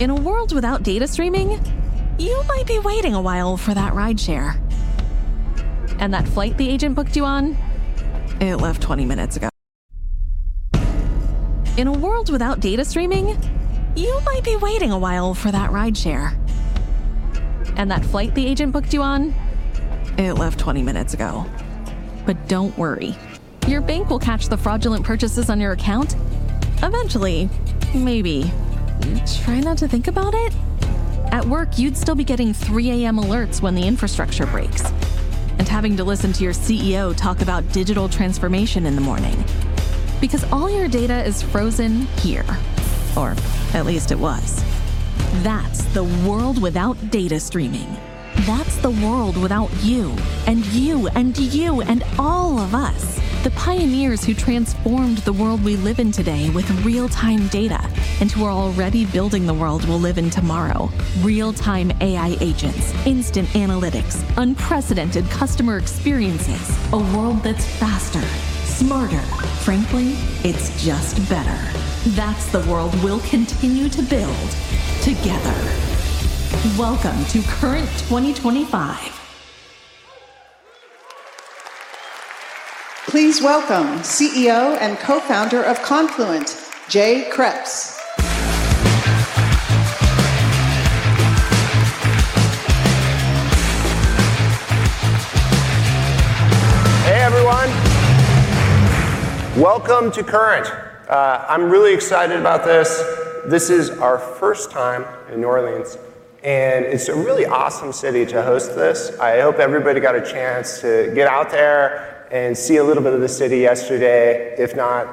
In a world without data streaming, you might be waiting a while for that rideshare and that flight the agent booked you on. It left 20 minutes ago. In a world without data streaming, you might be waiting a while for that rideshare and that flight the agent booked you on. It left 20 minutes ago. But don't worry, your bank will catch the fraudulent purchases on your account. Eventually, maybe. Try not to think about it. At work, you'd still be getting 3:00 A.M. alerts when the infrastructure breaks and having to listen to your CEO talk about digital transformation in the morning because all your data is frozen here. Or at least it was. That's the world without data streaming. That's the world without you and you and you and all of us. The pioneers who transformed the world we live in today with real-time data in tow are already building the world we'll live in tomorrow. Real-time AI agents, instant analytics, unprecedented customer experiences. A world that's faster, smarter. Frankly, it's just better. That's the world we'll continue to build together. Welcome to Current 2025. Please welcome CEO and Co-founder of Confluent, Jay Kreps. Hey, everyone. Welcome to Current. I'm really excited about this. This is our first time in New Orleans, and it's a really awesome city to host this. I hope everybody got a chance to get out there and see a little bit of the city yesterday. If not,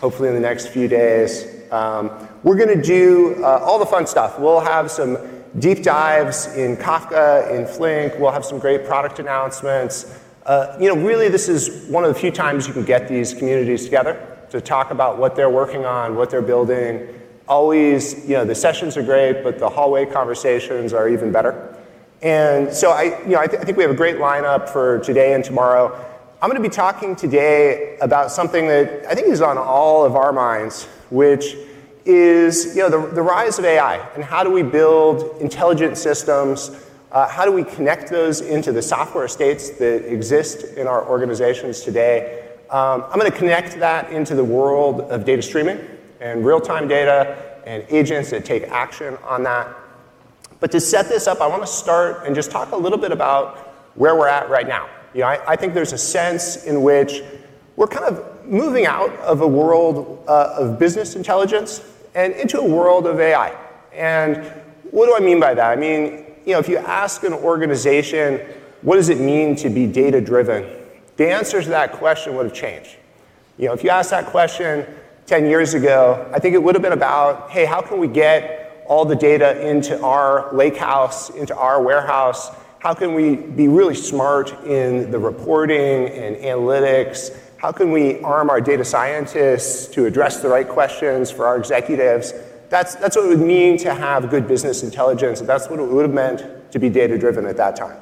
hopefully in the next few days. We're going to do all the fun stuff. We'll have some deep dives in Kafka, in Flink. We'll have some great product announcements. Really, this is one of the few times you can get these communities together to talk about what they're working on, what they're building. Always, the sessions are great, but the hallway conversations are even better. And so I think we have a great lineup for today and tomorrow. I'm going to be talking today about something that I think is on all of our minds, which is the rise of AI and how do we build intelligent systems? How do we connect those into the software estates that exist in our organizations today? I'm going to connect that into the world of data streaming and real-time data and agents that take action on that. But to set this up, I want to start and just talk a little bit about where we're at right now. I think there's a sense in which we're kind of moving out of a world of business intelligence and into a world of AI. And what do I mean by that? I mean, if you ask an organization, what does it mean to be data-driven, the answers to that question would have changed. If you asked that question 10 years ago, I think it would have been about, hey, how can we get all the data into our lakehouse, into our warehouse? How can we be really smart in the reporting and analytics? How can we arm our data scientists to address the right questions for our executives? That's what it would mean to have good business intelligence. That's what it would have meant to be data-driven at that time.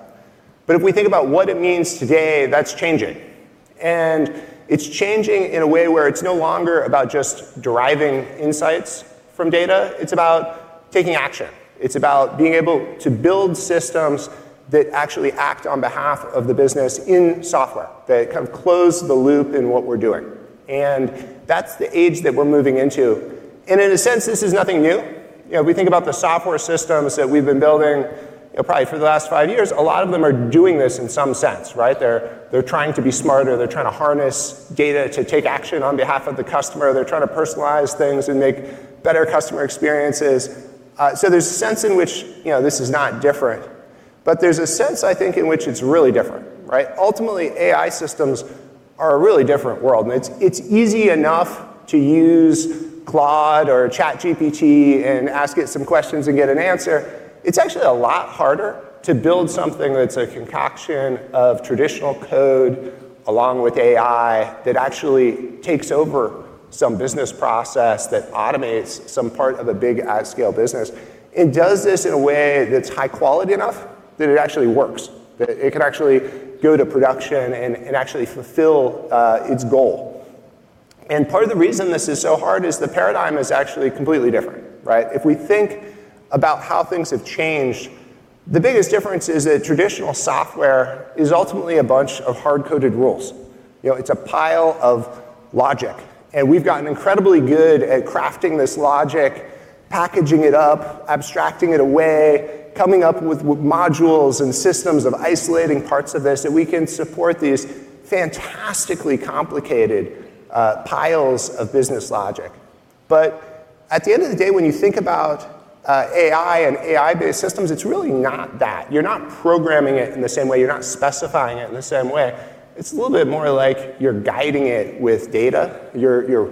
But if we think about what it means today, that's changing, and it's changing in a way where it's no longer about just deriving insights from data. It's about taking action. It's about being able to build systems that actually act on behalf of the business in software that kind of close the loop in what we're doing, and that's the age that we're moving into. And in a sense, this is nothing new. If we think about the software systems that we've been building probably for the last five years, a lot of them are doing this in some sense. They're trying to be smarter. They're trying to harness data to take action on behalf of the customer. They're trying to personalize things and make better customer experiences. So there's a sense in which this is not different. But there's a sense, I think, in which it's really different. Ultimately, AI systems are a really different world. It's easy enough to use Claude or ChatGPT and ask it some questions and get an answer. It's actually a lot harder to build something that's a concoction of traditional code along with AI that actually takes over some business process that automates some part of a big-scale business and does this in a way that's high-quality enough that it actually works, that it can actually go to production and actually fulfill its goal. And part of the reason this is so hard is the paradigm is actually completely different. If we think about how things have changed, the biggest difference is that traditional software is ultimately a bunch of hard-coded rules. It's a pile of logic. And we've gotten incredibly good at crafting this logic, packaging it up, abstracting it away, coming up with modules and systems of isolating parts of this that we can support these fantastically complicated piles of business logic. But at the end of the day, when you think about AI and AI-based systems, it's really not that. You're not programming it in the same way. You're not specifying it in the same way. It's a little bit more like you're guiding it with data. You're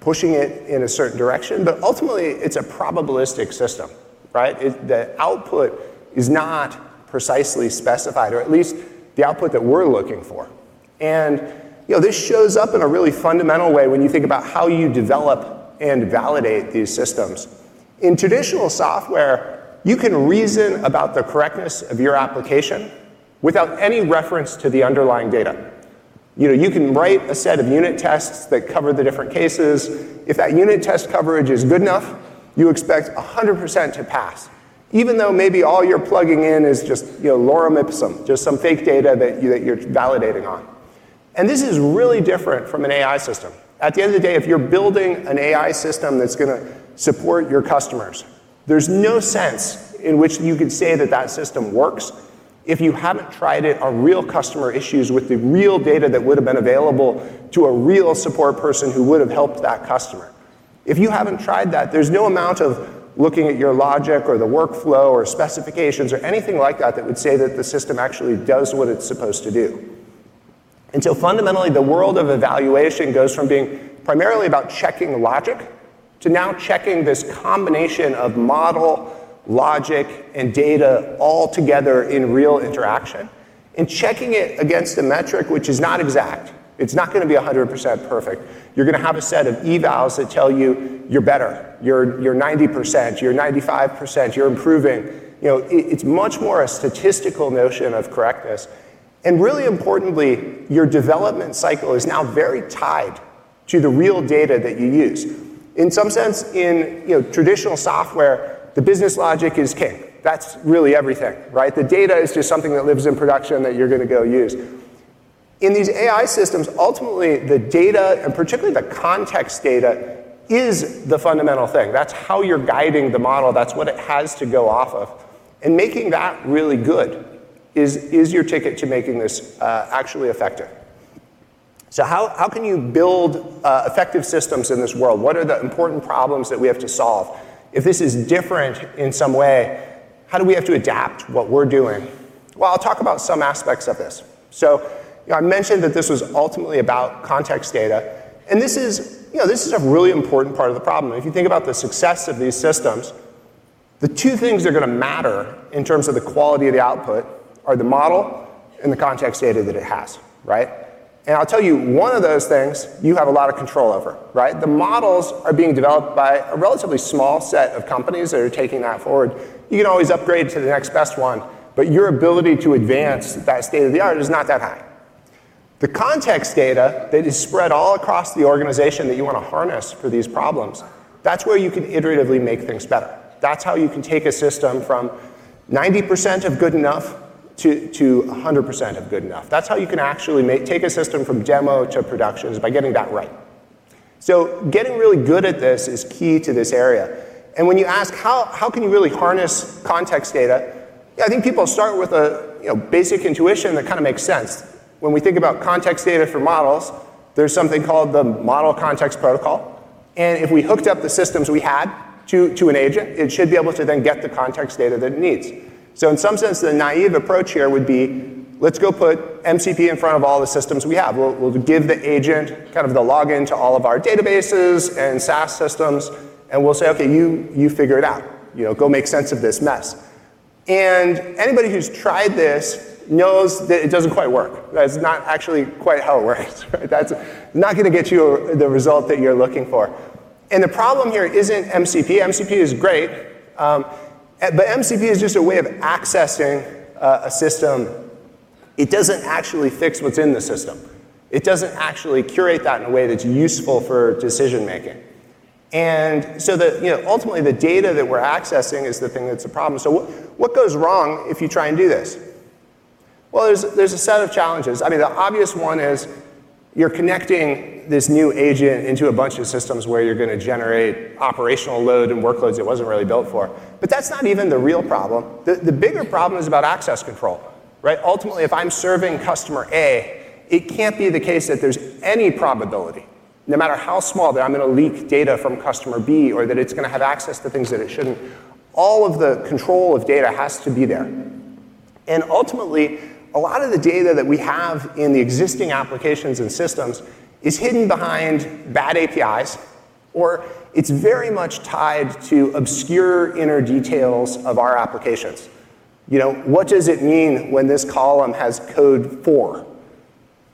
pushing it in a certain direction, but ultimately, it's a probabilistic system. The output is not precisely specified, or at least the output that we're looking for, and this shows up in a really fundamental way when you think about how you develop and validate these systems. In traditional software, you can reason about the correctness of your application without any reference to the underlying data. You can write a set of unit tests that cover the different cases. If that unit test coverage is good enough, you expect 100% to pass, even though maybe all you're plugging in is just lorem ipsum, just some fake data that you're validating on, and this is really different from an AI system. At the end of the day, if you're building an AI system that's going to support your customers, there's no sense in which you could say that that system works if you haven't tried it on real customer issues with the real data that would have been available to a real support person who would have helped that customer. If you haven't tried that, there's no amount of looking at your logic or the workflow or specifications or anything like that that would say that the system actually does what it's supposed to do. And so fundamentally, the world of evaluation goes from being primarily about checking logic to now checking this combination of model, logic, and data all together in real interaction and checking it against a metric which is not exact. It's not going to be 100% perfect. You're going to have a set of evals that tell you you're better, you're 90%, you're 95%, you're improving. It's much more a statistical notion of correctness. And really importantly, your development cycle is now very tied to the real data that you use. In some sense, in traditional software, the business logic is king. That's really everything. The data is just something that lives in production that you're going to go use. In these AI systems, ultimately, the data and particularly the context data is the fundamental thing. That's how you're guiding the model. That's what it has to go off of. And making that really good is your ticket to making this actually effective. So how can you build effective systems in this world? What are the important problems that we have to solve? If this is different in some way, how do we have to adapt what we're doing? Well, I'll talk about some aspects of this. So I mentioned that this was ultimately about context data. And this is a really important part of the problem. If you think about the success of these systems, the two things that are going to matter in terms of the quality of the output are the model and the context data that it has. And I'll tell you, one of those things you have a lot of control over. The models are being developed by a relatively small set of companies that are taking that forward. You can always upgrade to the next best one, but your ability to advance that state of the art is not that high. The context data that is spread all across the organization that you want to harness for these problems, that's where you can iteratively make things better. That's how you can take a system from 90% of good enough to 100% of good enough. That's how you can actually take a system from demo to production is by getting that right. So getting really good at this is key to this area. And when you ask how can you really harness context data, I think people start with a basic intuition that kind of makes sense. When we think about context data for models, there's something called the Model Context Protocol. And if we hooked up the systems we had to an agent, it should be able to then get the context data that it needs. So in some sense, the naive approach here would be, let's go put MCP in front of all the systems we have. We'll give the agent kind of the login to all of our databases and SaaS systems, and we'll say, "Okay, you figure it out. Go make sense of this mess." And anybody who's tried this knows that it doesn't quite work. That's not actually quite how it works. That's not going to get you the result that you're looking for. And the problem here isn't MCP. MCP is great, but MCP is just a way of accessing a system. It doesn't actually fix what's in the system. It doesn't actually curate that in a way that's useful for decision-making. And so ultimately, the data that we're accessing is the thing that's a problem. So what goes wrong if you try and do this? Well, there's a set of challenges. I mean, the obvious one is you're connecting this new agent into a bunch of systems where you're going to generate operational load and workloads it wasn't really built for. But that's not even the real problem. The bigger problem is about access control. Ultimately, if I'm serving customer A, it can't be the case that there's any probability, no matter how small, that I'm going to leak data from customer B or that it's going to have access to things that it shouldn't. All of the control of data has to be there. Ultimately, a lot of the data that we have in the existing applications and systems is hidden behind bad APIs, or it's very much tied to obscure inner details of our applications. What does it mean when this column has code 4?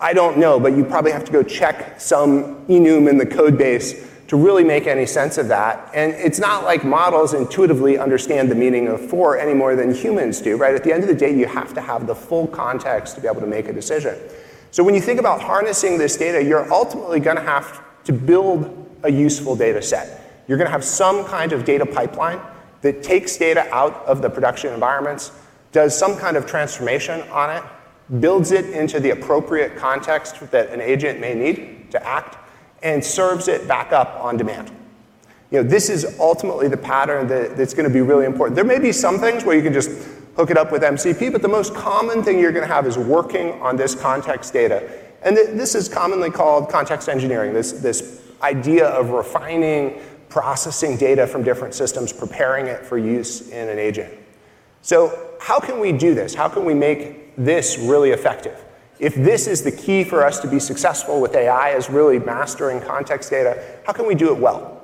I don't know, but you probably have to go check some enum in the code base to really make any sense of that. It's not like models intuitively understand the meaning of 4 any more than humans do. At the end of the day, you have to have the full context to be able to make a decision. When you think about harnessing this data, you're ultimately going to have to build a useful data set. You're going to have some kind of data pipeline that takes data out of the production environments, does some kind of transformation on it, builds it into the appropriate context that an agent may need to act, and serves it back up on demand. This is ultimately the pattern that's going to be really important. There may be some things where you can just hook it up with MCP, but the most common thing you're going to have is working on this context data. And this is commonly called context engineering, this idea of refining, processing data from different systems, preparing it for use in an agent. So how can we do this? How can we make this really effective? If this is the key for us to be successful with AI, it's really mastering context data. How can we do it well?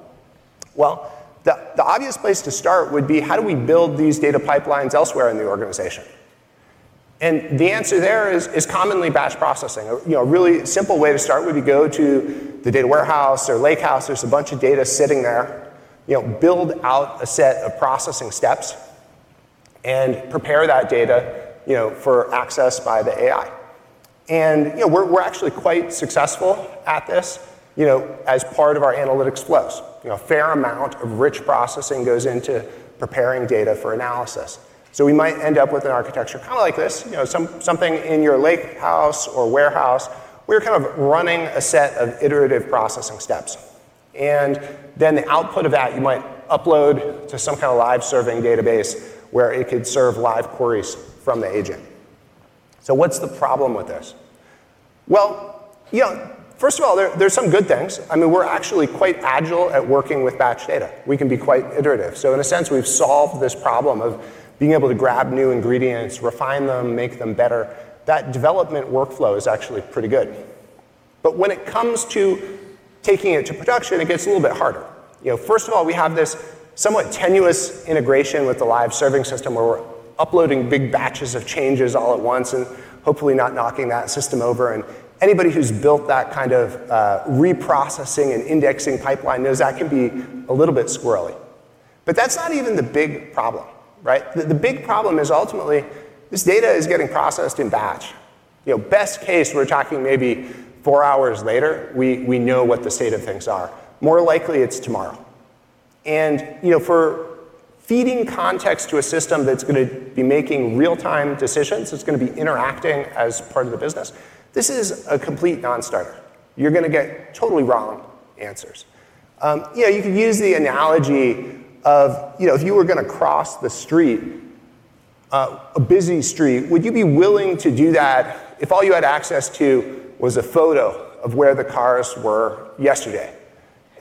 The obvious place to start would be, how do we build these data pipelines elsewhere in the organization? The answer there is commonly batch processing. A really simple way to start would be to go to the data warehouse or lakehouse. There's a bunch of data sitting there. Build out a set of processing steps and prepare that data for access by the AI. We're actually quite successful at this as part of our analytics flows. A fair amount of rich processing goes into preparing data for analysis. We might end up with an architecture kind of like this, something in your lakehouse or warehouse. We're kind of running a set of iterative processing steps. Then the output of that, you might upload to some kind of live serving database where it could serve live queries from the agent. What's the problem with this? Well, first of all, there's some good things. I mean, we're actually quite agile at working with batch data. We can be quite iterative. So in a sense, we've solved this problem of being able to grab new ingredients, refine them, make them better. That development workflow is actually pretty good. But when it comes to taking it to production, it gets a little bit harder. First of all, we have this somewhat tenuous integration with the live serving system where we're uploading big batches of changes all at once and hopefully not knocking that system over. And anybody who's built that kind of reprocessing and indexing pipeline knows that can be a little bit squirrely. But that's not even the big problem. The big problem is ultimately, this data is getting processed in batch. Best case, we're talking maybe four hours later, we know what the state of things are. More likely, it's tomorrow. And for feeding context to a system that's going to be making real-time decisions, it's going to be interacting as part of the business, this is a complete non-starter. You're going to get totally wrong answers. You could use the analogy of if you were going to cross the street, a busy street, would you be willing to do that if all you had access to was a photo of where the cars were yesterday?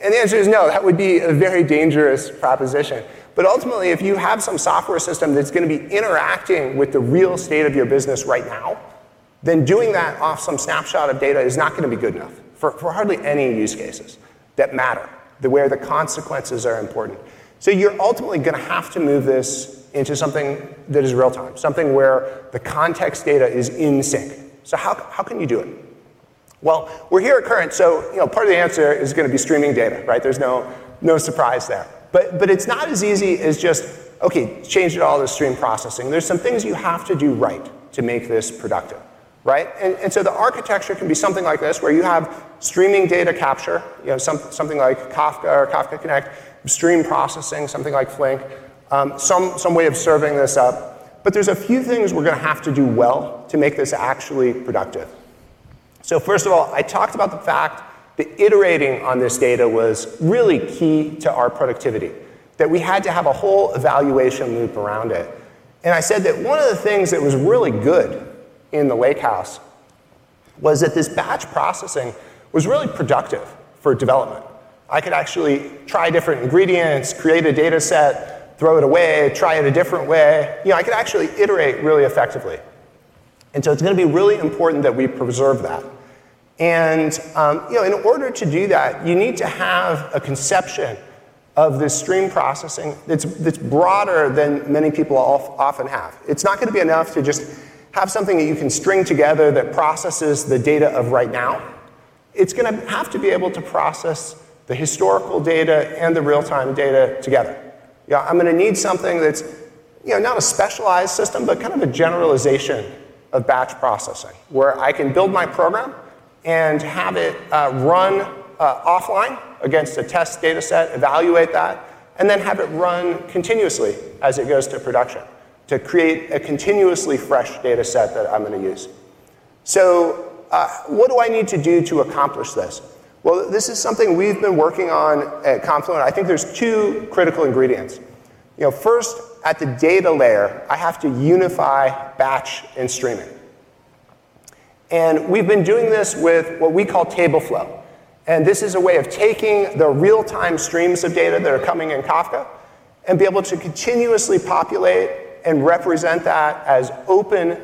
And the answer is no. That would be a very dangerous proposition. But ultimately, if you have some software system that's going to be interacting with the real state of your business right now, then doing that off some snapshot of data is not going to be good enough for hardly any use cases that matter where the consequences are important. So you're ultimately going to have to move this into something that is real-time, something where the context data is in sync. So how can you do it? Well, we're here at Current. So part of the answer is going to be streaming data. There's no surprise there. But it's not as easy as just, "Okay, change it all to stream processing." There's some things you have to do right to make this productive. And so the architecture can be something like this, where you have streaming data capture, something like Kafka or Kafka Connect, stream processing, something like Flink, some way of serving this up. But there's a few things we're going to have to do well to make this actually productive. So first of all, I talked about the fact that iterating on this data was really key to our productivity, that we had to have a whole evaluation loop around it. And I said that one of the things that was really good in the lakehouse was that this batch processing was really productive for development. I could actually try different ingredients, create a data set, throw it away, try it a different way. I could actually iterate really effectively. And so it's going to be really important that we preserve that. And in order to do that, you need to have a conception of this stream processing that's broader than many people often have. It's not going to be enough to just have something that you can string together that processes the data of right now. It's going to have to be able to process the historical data and the real-time data together. I'm going to need something that's not a specialized system, but kind of a generalization of batch processing where I can build my program and have it run offline against a test data set, evaluate that, and then have it run continuously as it goes to production to create a continuously fresh data set that I'm going to use. So what do I need to do to accomplish this? Well, this is something we've been working on at Confluent. I think there's two critical ingredients. First, at the data layer, I have to unify batch and streaming, and we've been doing this with what we call TableFlow, and this is a way of taking the real-time streams of data that are coming in Kafka and be able to continuously populate and represent that as open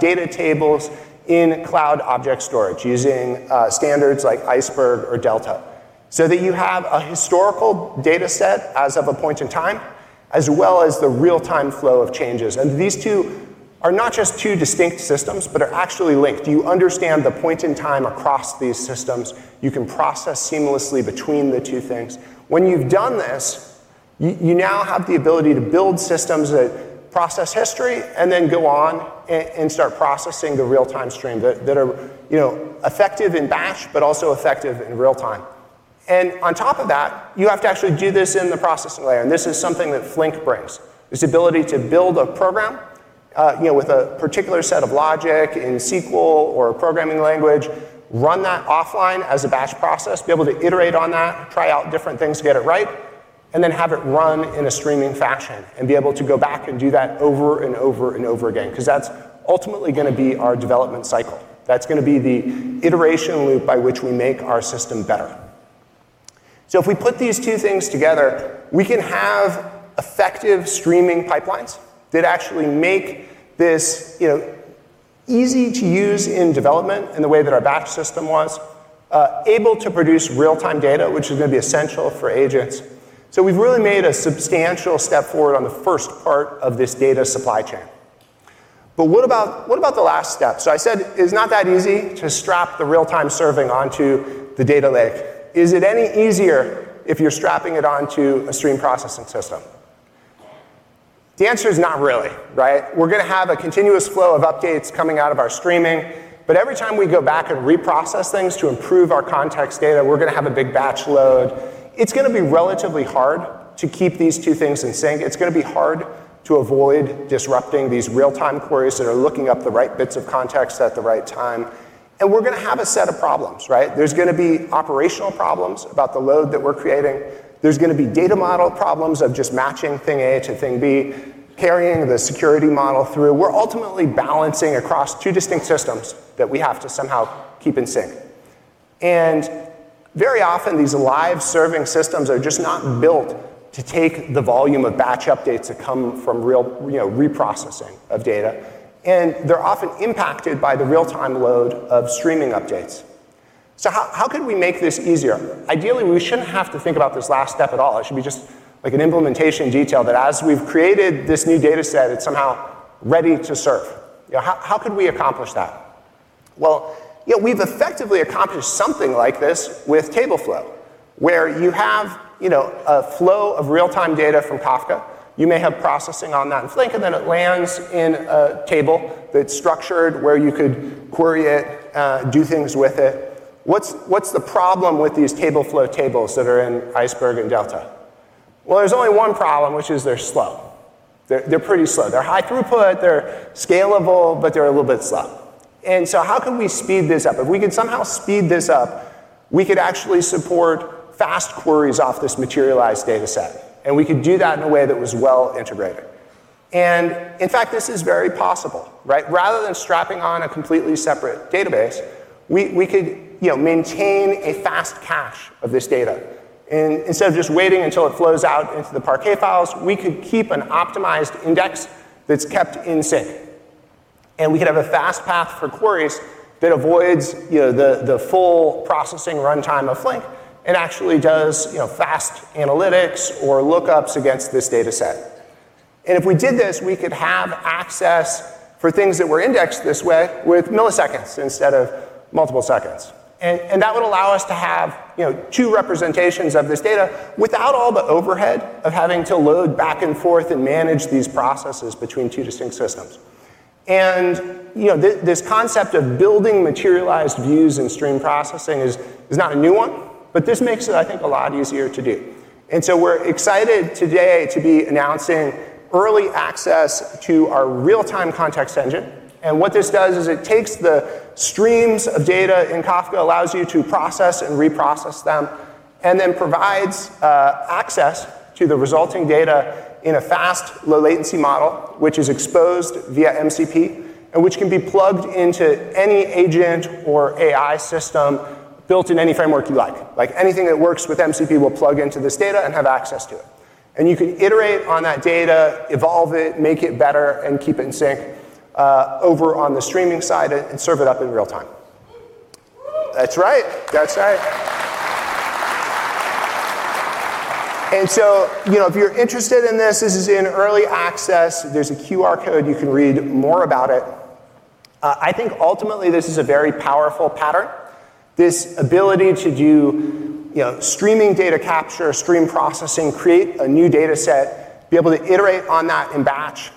data tables in cloud object storage using standards like Iceberg or Delta so that you have a historical data set as of a point in time, as well as the real-time flow of changes, and these two are not just two distinct systems, but are actually linked. You understand the point in time across these systems. You can process seamlessly between the two things. When you've done this, you now have the ability to build systems that process history and then go on and start processing the real-time stream that are effective in batch, but also effective in real-time. And on top of that, you have to actually do this in the processing layer. And this is something that Flink brings, this ability to build a program with a particular set of logic in SQL or a programming language, run that offline as a batch process, be able to iterate on that, try out different things to get it right, and then have it run in a streaming fashion and be able to go back and do that over and over and over again because that's ultimately going to be our development cycle. That's going to be the iteration loop by which we make our system better. So if we put these two things together, we can have effective streaming pipelines that actually make this easy to use in development in the way that our batch system was, able to produce real-time data, which is going to be essential for agents. So we've really made a substantial step forward on the first part of this data supply chain. But what about the last step? So I said it's not that easy to strap the real-time serving onto the data lake. Is it any easier if you're strapping it onto a stream processing system? The answer is not really. We're going to have a continuous flow of updates coming out of our streaming. But every time we go back and reprocess things to improve our context data, we're going to have a big batch load. It's going to be relatively hard to keep these two things in sync. It's going to be hard to avoid disrupting these real-time queries that are looking up the right bits of context at the right time. And we're going to have a set of problems. There's going to be operational problems about the load that we're creating. There's going to be data model problems of just matching thing A to thing B, carrying the security model through. We're ultimately balancing across two distinct systems that we have to somehow keep in sync. And very often, these live serving systems are just not built to take the volume of batch updates that come from real reprocessing of data. And they're often impacted by the real-time load of streaming updates. So how could we make this easier? Ideally, we shouldn't have to think about this last step at all. It should be just like an implementation detail that as we've created this new data set, it's somehow ready to serve. How could we accomplish that? Well, we've effectively accomplished something like this with TableFlow, where you have a flow of real-time data from Kafka. You may have processing on that in Flink, and then it lands in a table that's structured where you could query it, do things with it. What's the problem with these TableFlow tables that are in Iceberg and Delta? Well, there's only one problem, which is they're slow. They're pretty slow. They're high throughput. They're scalable, but they're a little bit slow. And so how can we speed this up? If we could somehow speed this up, we could actually support fast queries off this materialized data set. And we could do that in a way that was well integrated. And in fact, this is very possible. Rather than strapping on a completely separate database, we could maintain a fast cache of this data. And instead of just waiting until it flows out into the Parquet files, we could keep an optimized index that's kept in sync. And we could have a fast path for queries that avoids the full processing runtime of Flink and actually does fast analytics or lookups against this data set. And if we did this, we could have access for things that were indexed this way with milliseconds instead of multiple seconds. And that would allow us to have two representations of this data without all the overhead of having to load back and forth and manage these processes between two distinct systems. And this concept of building materialized views and stream processing is not a new one, but this makes it, I think, a lot easier to do. And so we're excited today to be announcing early access to our real-time context engine. And what this does is it takes the streams of data in Kafka, allows you to process and reprocess them, and then provides access to the resulting data in a fast, low-latency model, which is exposed via MCP and which can be plugged into any agent or AI system built in any framework you like. Anything that works with MCP will plug into this data and have access to it. And you can iterate on that data, evolve it, make it better, and keep it in sync over on the streaming side and serve it up in real-time. That's right. That's right. And so if you're interested in this, this is in early access. There's a QR code. You can read more about it. I think ultimately, this is a very powerful pattern. This ability to do streaming data capture, stream processing, create a new data set, be able to iterate on that in batch,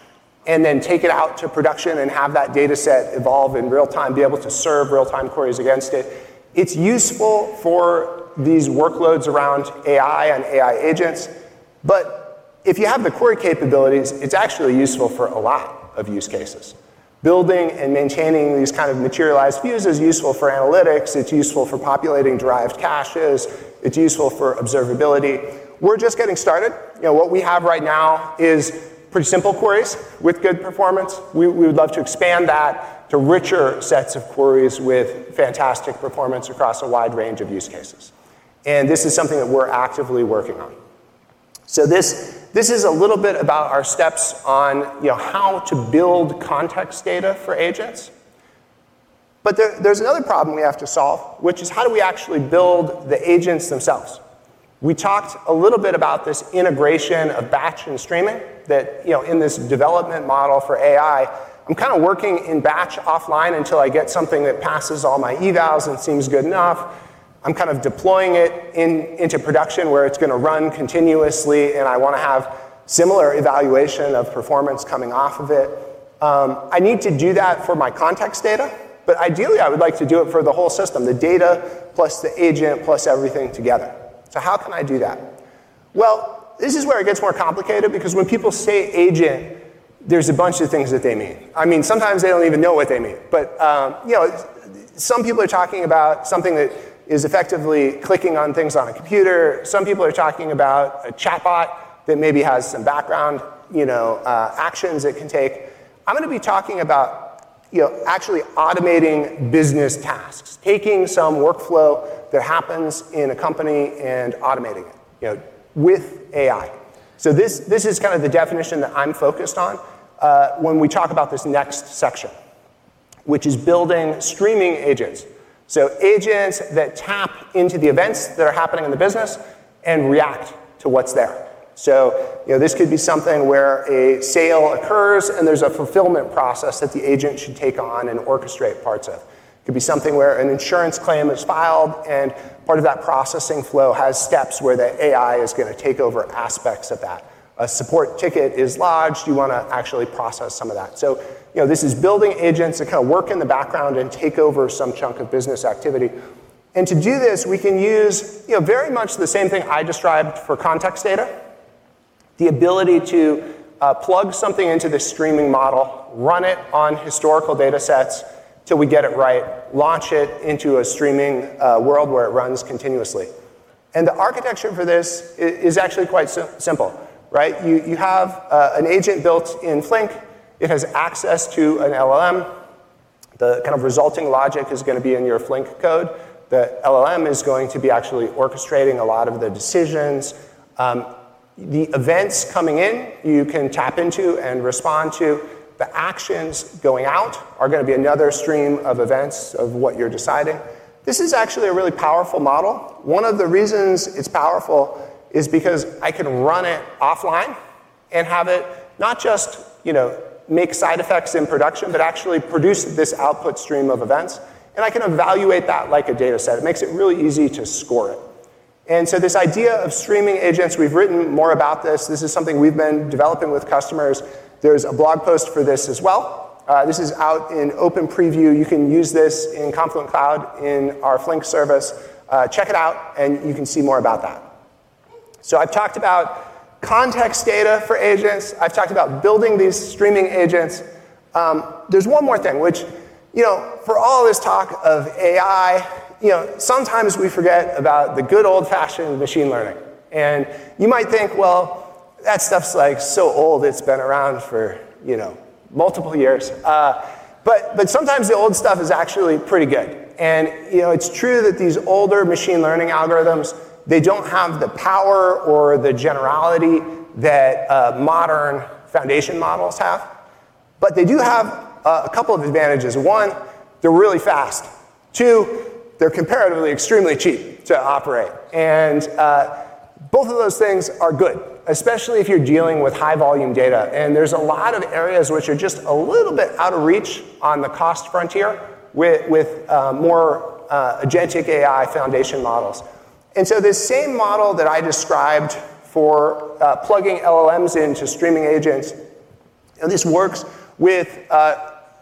and then take it out to production and have that data set evolve in real-time, be able to serve real-time queries against it. It's useful for these workloads around AI and AI agents. But if you have the query capabilities, it's actually useful for a lot of use cases. Building and maintaining these kind of materialized views is useful for analytics. It's useful for populating derived caches. It's useful for observability. We're just getting started. What we have right now is pretty simple queries with good performance. We would love to expand that to richer sets of queries with fantastic performance across a wide range of use cases. And this is something that we're actively working on. So this is a little bit about our steps on how to build context data for agents. But there's another problem we have to solve, which is how do we actually build the agents themselves? We talked a little bit about this integration of batch and streaming that in this development model for AI, I'm kind of working in batch offline until I get something that passes all my evals and seems good enough. I'm kind of deploying it into production where it's going to run continuously, and I want to have similar evaluation of performance coming off of it. I need to do that for my context data, but ideally, I would like to do it for the whole system, the data plus the agent plus everything together, so how can I do that, well, this is where it gets more complicated because when people say agent, there's a bunch of things that they mean. I mean, sometimes they don't even know what they mean, but some people are talking about something that is effectively clicking on things on a computer. Some people are talking about a chatbot that maybe has some background actions it can take. I'm going to be talking about actually automating business tasks, taking some workflow that happens in a company and automating it with AI, so this is kind of the definition that I'm focused on when we talk about this next section, which is building streaming agents. So agents that tap into the events that are happening in the business and react to what's there. So this could be something where a sale occurs and there's a fulfillment process that the agent should take on and orchestrate parts of. It could be something where an insurance claim is filed and part of that processing flow has steps where the AI is going to take over aspects of that. A support ticket is lodged. You want to actually process some of that. So this is building agents that kind of work in the background and take over some chunk of business activity. And to do this, we can use very much the same thing I described for context data, the ability to plug something into the streaming model, run it on historical data sets till we get it right, launch it into a streaming world where it runs continuously. And the architecture for this is actually quite simple. You have an agent built in Flink. It has access to an LLM. The kind of resulting logic is going to be in your Flink code. The LLM is going to be actually orchestrating a lot of the decisions. The events coming in you can tap into and respond to. The actions going out are going to be another stream of events of what you're deciding. This is actually a really powerful model. One of the reasons it's powerful is because I can run it offline and have it not just make side effects in production, but actually produce this output stream of events, and I can evaluate that like a data set. It makes it really easy to score it, and so this idea of streaming agents, we've written more about this. This is something we've been developing with customers. There's a blog post for this as well. This is out in open preview. You can use this in Confluent Cloud in our Flink service. Check it out, and you can see more about that, so I've talked about context data for agents. I've talked about building these streaming agents. There's one more thing, which for all this talk of AI, sometimes we forget about the good old-fashioned machine learning, and you might think, well, that stuff's so old. It's been around for multiple years. But sometimes the old stuff is actually pretty good. And it's true that these older machine learning algorithms, they don't have the power or the generality that modern foundation models have. But they do have a couple of advantages. One, they're really fast. Two, they're comparatively extremely cheap to operate. And both of those things are good, especially if you're dealing with high-volume data. And there's a lot of areas which are just a little bit out of reach on the cost frontier with more agentic AI foundation models. And so this same model that I described for plugging LLMs into streaming agents, this works with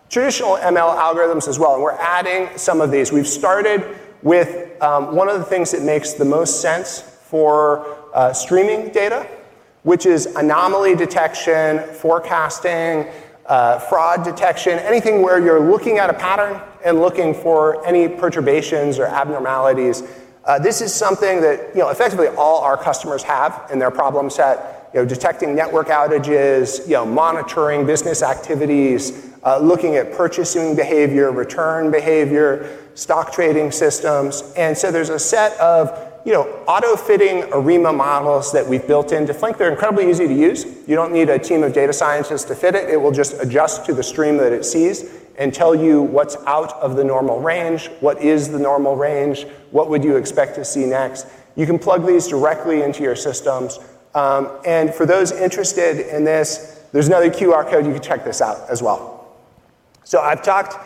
traditional ML algorithms as well. And we're adding some of these. We've started with one of the things that makes the most sense for streaming data, which is anomaly detection, forecasting, fraud detection, anything where you're looking at a pattern and looking for any perturbations or abnormalities. This is something that effectively all our customers have in their problem set, detecting network outages, monitoring business activities, looking at purchasing behavior, return behavior, stock trading systems. And so there's a set of auto-fitting ARIMA models that we've built into Flink. They're incredibly easy to use. You don't need a team of data scientists to fit it. It will just adjust to the stream that it sees and tell you what's out of the normal range, what is the normal range, what would you expect to see next. You can plug these directly into your systems. And for those interested in this, there's another QR code. You can check this out as well. So I've talked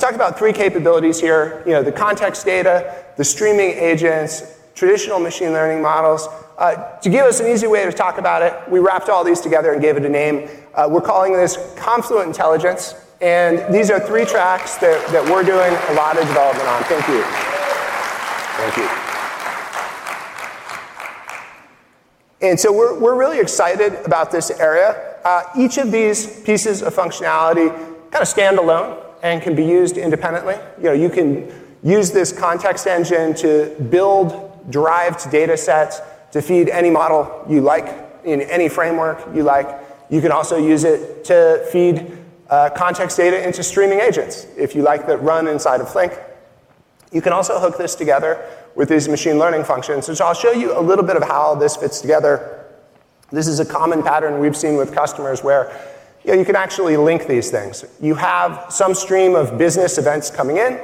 about three capabilities here: the context data, the streaming agents, traditional machine learning models. To give us an easy way to talk about it, we wrapped all these together and gave it a name. We're calling this Confluent Intelligence. And these are three tracks that we're doing a lot of development on. Thank you. Thank you. And so we're really excited about this area. Each of these pieces of functionality kind of stand alone and can be used independently. You can use this context engine to build derived data sets to feed any model you like in any framework you like. You can also use it to feed context data into streaming agents if you like that run inside of Flink. You can also hook this together with these machine learning functions. And so I'll show you a little bit of how this fits together. This is a common pattern we've seen with customers where you can actually link these things. You have some stream of business events coming in.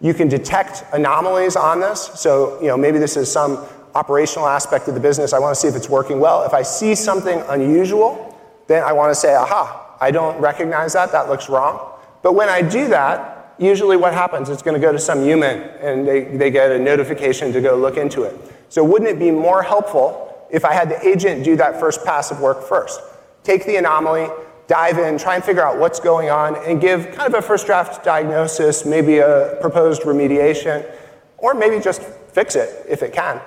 You can detect anomalies on this. So maybe this is some operational aspect of the business. I want to see if it's working well. If I see something unusual, then I want to say, "Aha, I don't recognize that. That looks wrong." But when I do that, usually what happens is it's going to go to some human, and they get a notification to go look into it. So wouldn't it be more helpful if I had the agent do that first pass of work first, take the anomaly, dive in, try and figure out what's going on, and give kind of a first draft diagnosis, maybe a proposed remediation, or maybe just fix it if it can,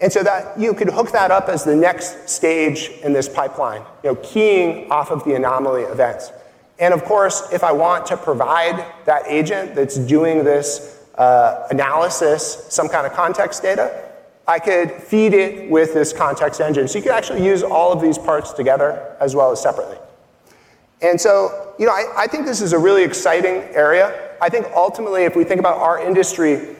and so that you could hook that up as the next stage in this pipeline, keying off of the anomaly events? And of course, if I want to provide that agent that's doing this analysis some kind of context data, I could feed it with this context engine. So you could actually use all of these parts together as well as separately. And so I think this is a really exciting area. I think ultimately, if we think about our industry,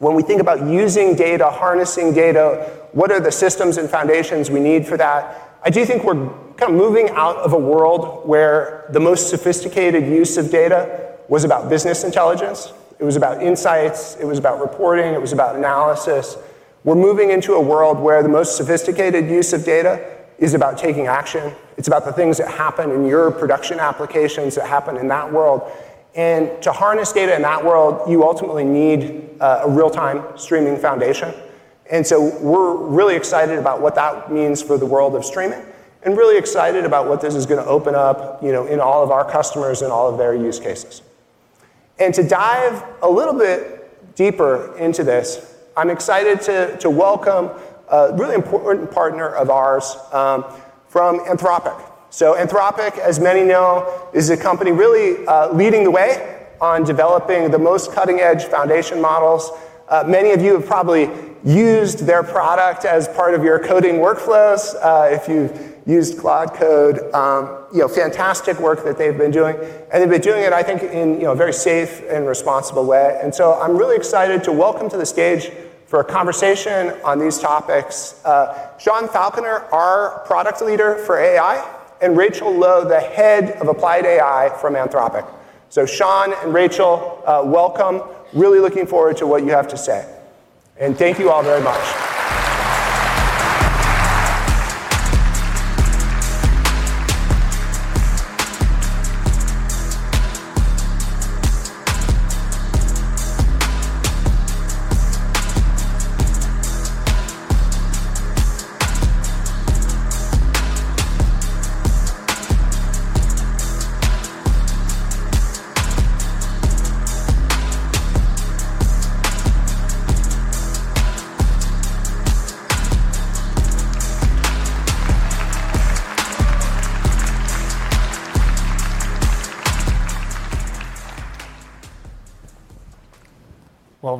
when we think about using data, harnessing data, what are the systems and foundations we need for that? I do think we're kind of moving out of a world where the most sophisticated use of data was about business intelligence. It was about insights. It was about reporting. It was about analysis. We're moving into a world where the most sophisticated use of data is about taking action. It's about the things that happen in your production applications that happen in that world. And to harness data in that world, you ultimately need a real-time streaming foundation. And so we're really excited about what that means for the world of streaming and really excited about what this is going to open up in all of our customers and all of their use cases. And to dive a little bit deeper into this, I'm excited to welcome a really important partner of ours from Anthropic. Anthropic, as many know, is a company really leading the way on developing the most cutting-edge foundation models. Many of you have probably used their product as part of your coding workflows if you've used Claude Code. Fantastic work that they've been doing. They've been doing it, I think, in a very safe and responsible way. I'm really excited to welcome to the stage for a conversation on these topics, Sean Falconer, our Product Leader for AI, and Rachel Lo, the Head of Applied AI from Anthropic. Sean and Rachel, welcome. Really looking forward to what you have to say. Thank you all very much.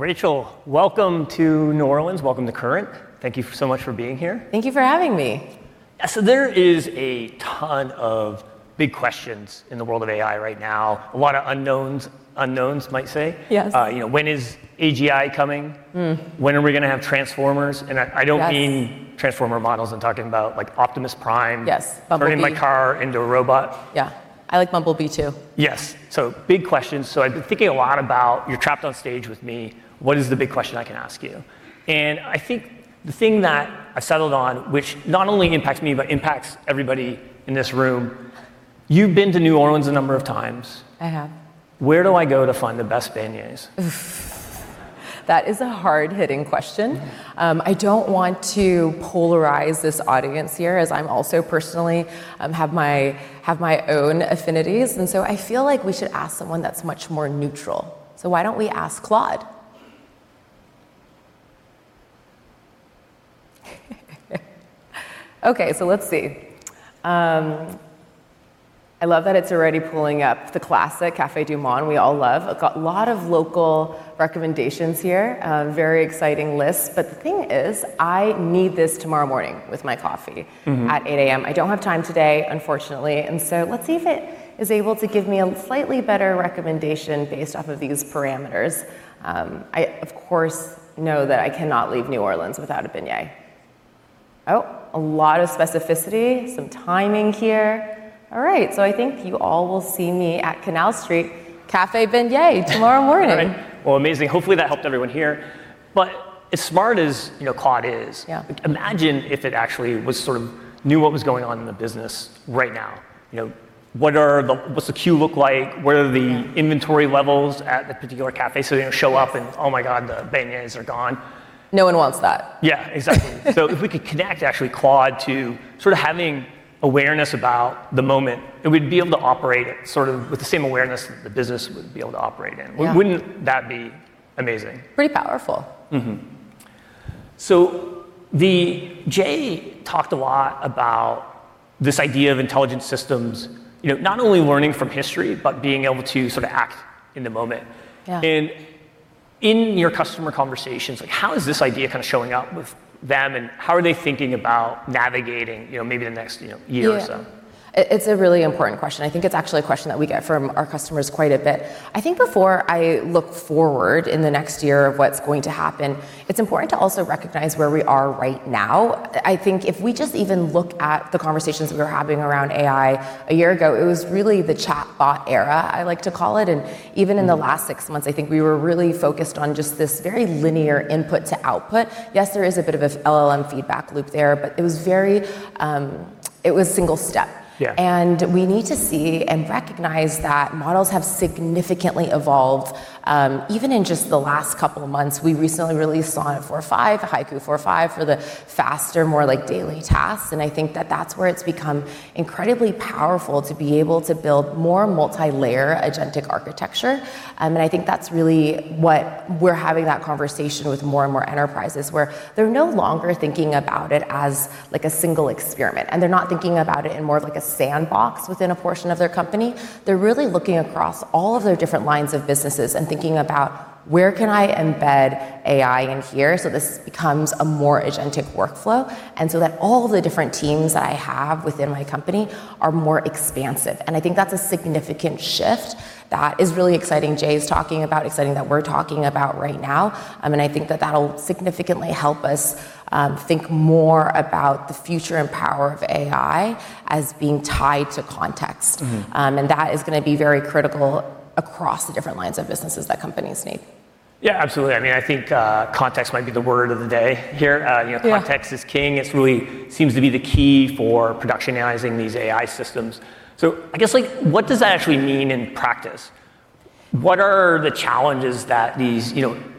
Rachel, welcome to New Orleans. Welcome to Current. Thank you so much for being here. Thank you for having me. So there is a ton of big questions in the world of AI right now, a lot of unknowns, might say. When is AGI coming? When are we going to have transformers? And I don't mean transformer models. I'm talking about Optimus Prime, turning my car into a robot. Yeah. I like Bumblebee too. Yes. So big questions. So I've been thinking a lot about. You're trapped on stage with me. What is the big question I can ask you, and I think the thing that I settled on, which not only impacts me, but impacts everybody in this room. You've been to New Orleans a number of times. I have. Where do I go to find the best beignets? That is a hard-hitting question. I don't want to polarize this audience here, as I'm also personally have my own affinities. And so I feel like we should ask someone that's much more neutral. So why don't we ask Claude? Okay, so let's see. I love that it's already pulling up the classic Café du Monde we all love. I've got a lot of local recommendations here, very exciting lists. But the thing is, I need this tomorrow morning with my coffee at 8:00 A.M. I don't have time today, unfortunately. And so let's see if it is able to give me a slightly better recommendation based off of these parameters. I, of course, know that I cannot leave New Orleans without a beignet. Oh, a lot of specificity, some timing here. All right, so I think you all will see me at Canal Street Café Beignet tomorrow morning. Well, amazing. Hopefully, that helped everyone here. But as smart as Claude is, imagine if it actually knew what was going on in the business right now. What's the queue look like? Where are the inventory levels at the particular café? So they don't show up and, "Oh my God, the beignets are gone." No one wants that. Yeah, exactly. So if we could connect, actually, Claude to sort of having awareness about the moment, it would be able to operate with the same awareness that the business would be able to operate in. Wouldn't that be amazing? Pretty powerful. So Jay talked a lot about this idea of intelligent systems, not only learning from history, but being able to sort of act in the moment. And in your customer conversations, how is this idea kind of showing up with them, and how are they thinking about navigating maybe the next year or so? It's a really important question. I think it's actually a question that we get from our customers quite a bit. I think before I look forward in the next year of what's going to happen, it's important to also recognize where we are right now. I think if we just even look at the conversations we were having around AI a year ago, it was really the chatbot era, I like to call it. And even in the last six months, I think we were really focused on just this very linear input to output. Yes, there is a bit of an LLM feedback loop there, but it was single-step. And we need to see and recognize that models have significantly evolved, even in just the last couple of months. We recently released Sonnet 4.5, Haiku 4.5, for the faster, more daily tasks. And I think that that's where it's become incredibly powerful to be able to build more multi-layer agentic architecture. And I think that's really what we're having that conversation with more and more enterprises, where they're no longer thinking about it as a single experiment. And they're not thinking about it in more of a sandbox within a portion of their company. They're really looking across all of their different lines of businesses and thinking about, "Where can I embed AI in here so this becomes a more agentic workflow?" And so that all of the different teams that I have within my company are more expansive. And I think that's a significant shift that is really exciting. Jay is talking about exciting that we're talking about right now. And I think that that'll significantly help us think more about the future and power of AI as being tied to context. And that is going to be very critical across the different lines of businesses that companies need. Yeah, absolutely. I mean, I think context might be the word of the day here. Context is king. It really seems to be the key for productionizing these AI systems. So I guess, what does that actually mean in practice? What are the challenges that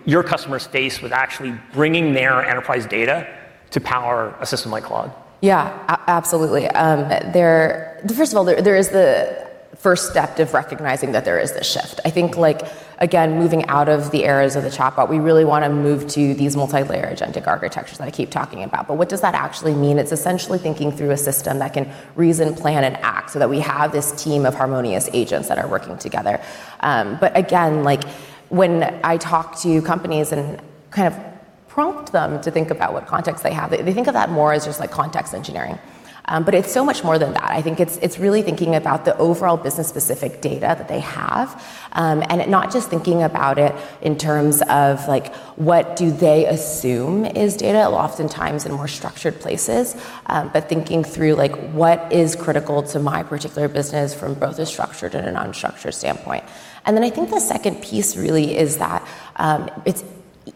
your customers face with actually bringing their enterprise data to power a system like Claude? Yeah, absolutely. First of all, there is the first step of recognizing that there is this shift. I think, again, moving out of the eras of the chatbot, we really want to move to these multi-layer agentic architectures that I keep talking about. But what does that actually mean? It's essentially thinking through a system that can reason, plan, and act so that we have this team of harmonious agents that are working together, but again, when I talk to companies and kind of prompt them to think about what context they have, they think of that more as just context engineering, but it's so much more than that. I think it's really thinking about the overall business-specific data that they have, and not just thinking about it in terms of what do they assume is data, oftentimes in more structured places but thinking through what is critical to my particular business from both a structured and an unstructured standpoint, and then I think the second piece really is that it's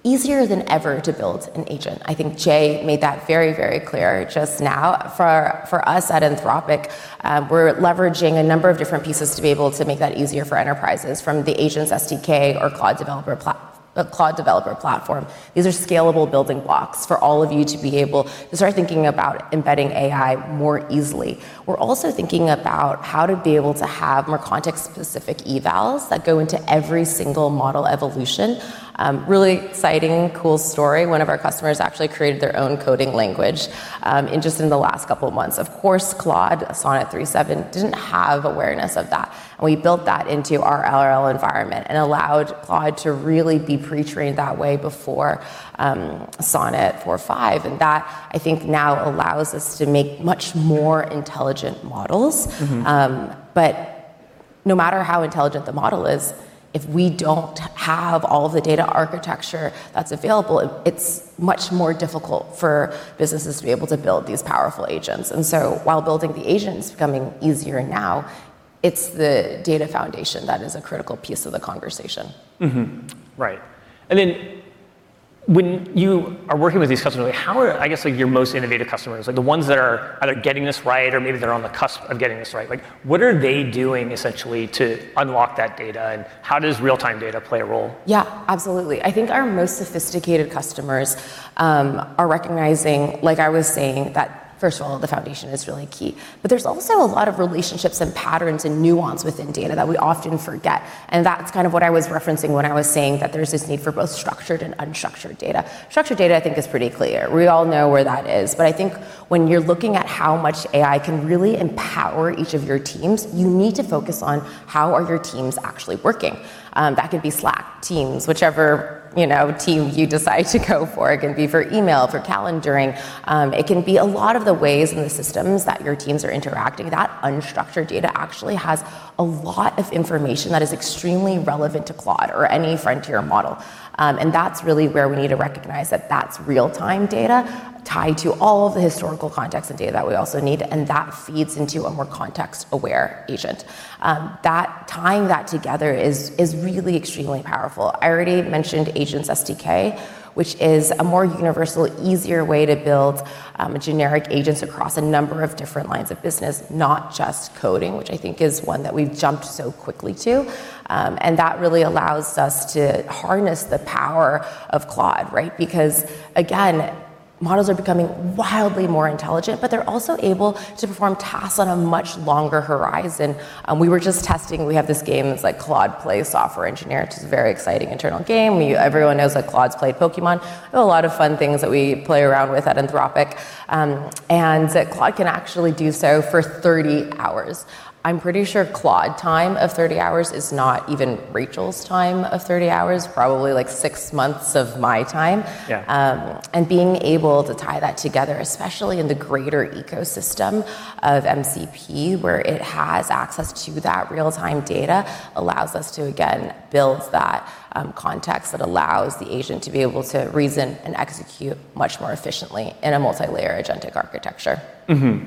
easier than ever to build an agent. I think Jay made that very, very clear just now. For us at Anthropic, we're leveraging a number of different pieces to be able to make that easier for enterprises from the Agents SDK or Claude Developer Platform. These are scalable building blocks for all of you to be able to start thinking about embedding AI more easily. We're also thinking about how to be able to have more context-specific evals that go into every single model evolution. Really exciting, cool story. One of our customers actually created their own coding language just in the last couple of months. Of course, Claude Sonnet 3.7 didn't have awareness of that. And we built that into our RL environment and allowed Claude to really be pre-trained that way before Sonnet 4.5. And that, I think, now allows us to make much more intelligent models. But no matter how intelligent the model is, if we don't have all of the data architecture that's available, it's much more difficult for businesses to be able to build these powerful agents. And so while building the agent is becoming easier now, it's the data foundation that is a critical piece of the conversation. Right. And then when you are working with these customers, I guess your most innovative customers, the ones that are either getting this right or maybe they're on the cusp of getting this right, what are they doing essentially to unlock that data? And how does real-time data play a role? Yeah, absolutely. I think our most sophisticated customers are recognizing, like I was saying, that, first of all, the foundation is really key. But there's also a lot of relationships and patterns and nuance within data that we often forget. And that's kind of what I was referencing when I was saying that there's this need for both structured and unstructured data. Structured data, I think, is pretty clear. We all know where that is. But I think when you're looking at how much AI can really empower each of your teams, you need to focus on how are your teams actually working. That could be Slack, Teams, whichever team you decide to go for. It can be for email, for calendaring. It can be a lot of the ways in the systems that your teams are interacting. That unstructured data actually has a lot of information that is extremely relevant to Claude or any frontier model. And that's really where we need to recognize that that's real-time data tied to all of the historical context and data that we also need. And that feeds into a more context-aware agent. Tying that together is really extremely powerful. I already mentioned Agents SDK, which is a more universal, easier way to build generic agents across a number of different lines of business, not just coding, which I think is one that we've jumped so quickly to. And that really allows us to harness the power of Claude, right? Because, again, models are becoming wildly more intelligent, but they're also able to perform tasks on a much longer horizon. We were just testing. We have this game that's like Claude plays software engineer. It's a very exciting internal game. Everyone knows that Claude's played Pokémon. We have a lot of fun things that we play around with at Anthropic. And Claude can actually do so for 30 hours. I'm pretty sure Claude time of 30 hours is not even Rachel's time of 30 hours, probably like six months of my time. And being able to tie that together, especially in the greater ecosystem of MCP, where it has access to that real-time data, allows us to, again, build that context that allows the agent to be able to reason and execute much more efficiently in a multi-layer agentic architecture.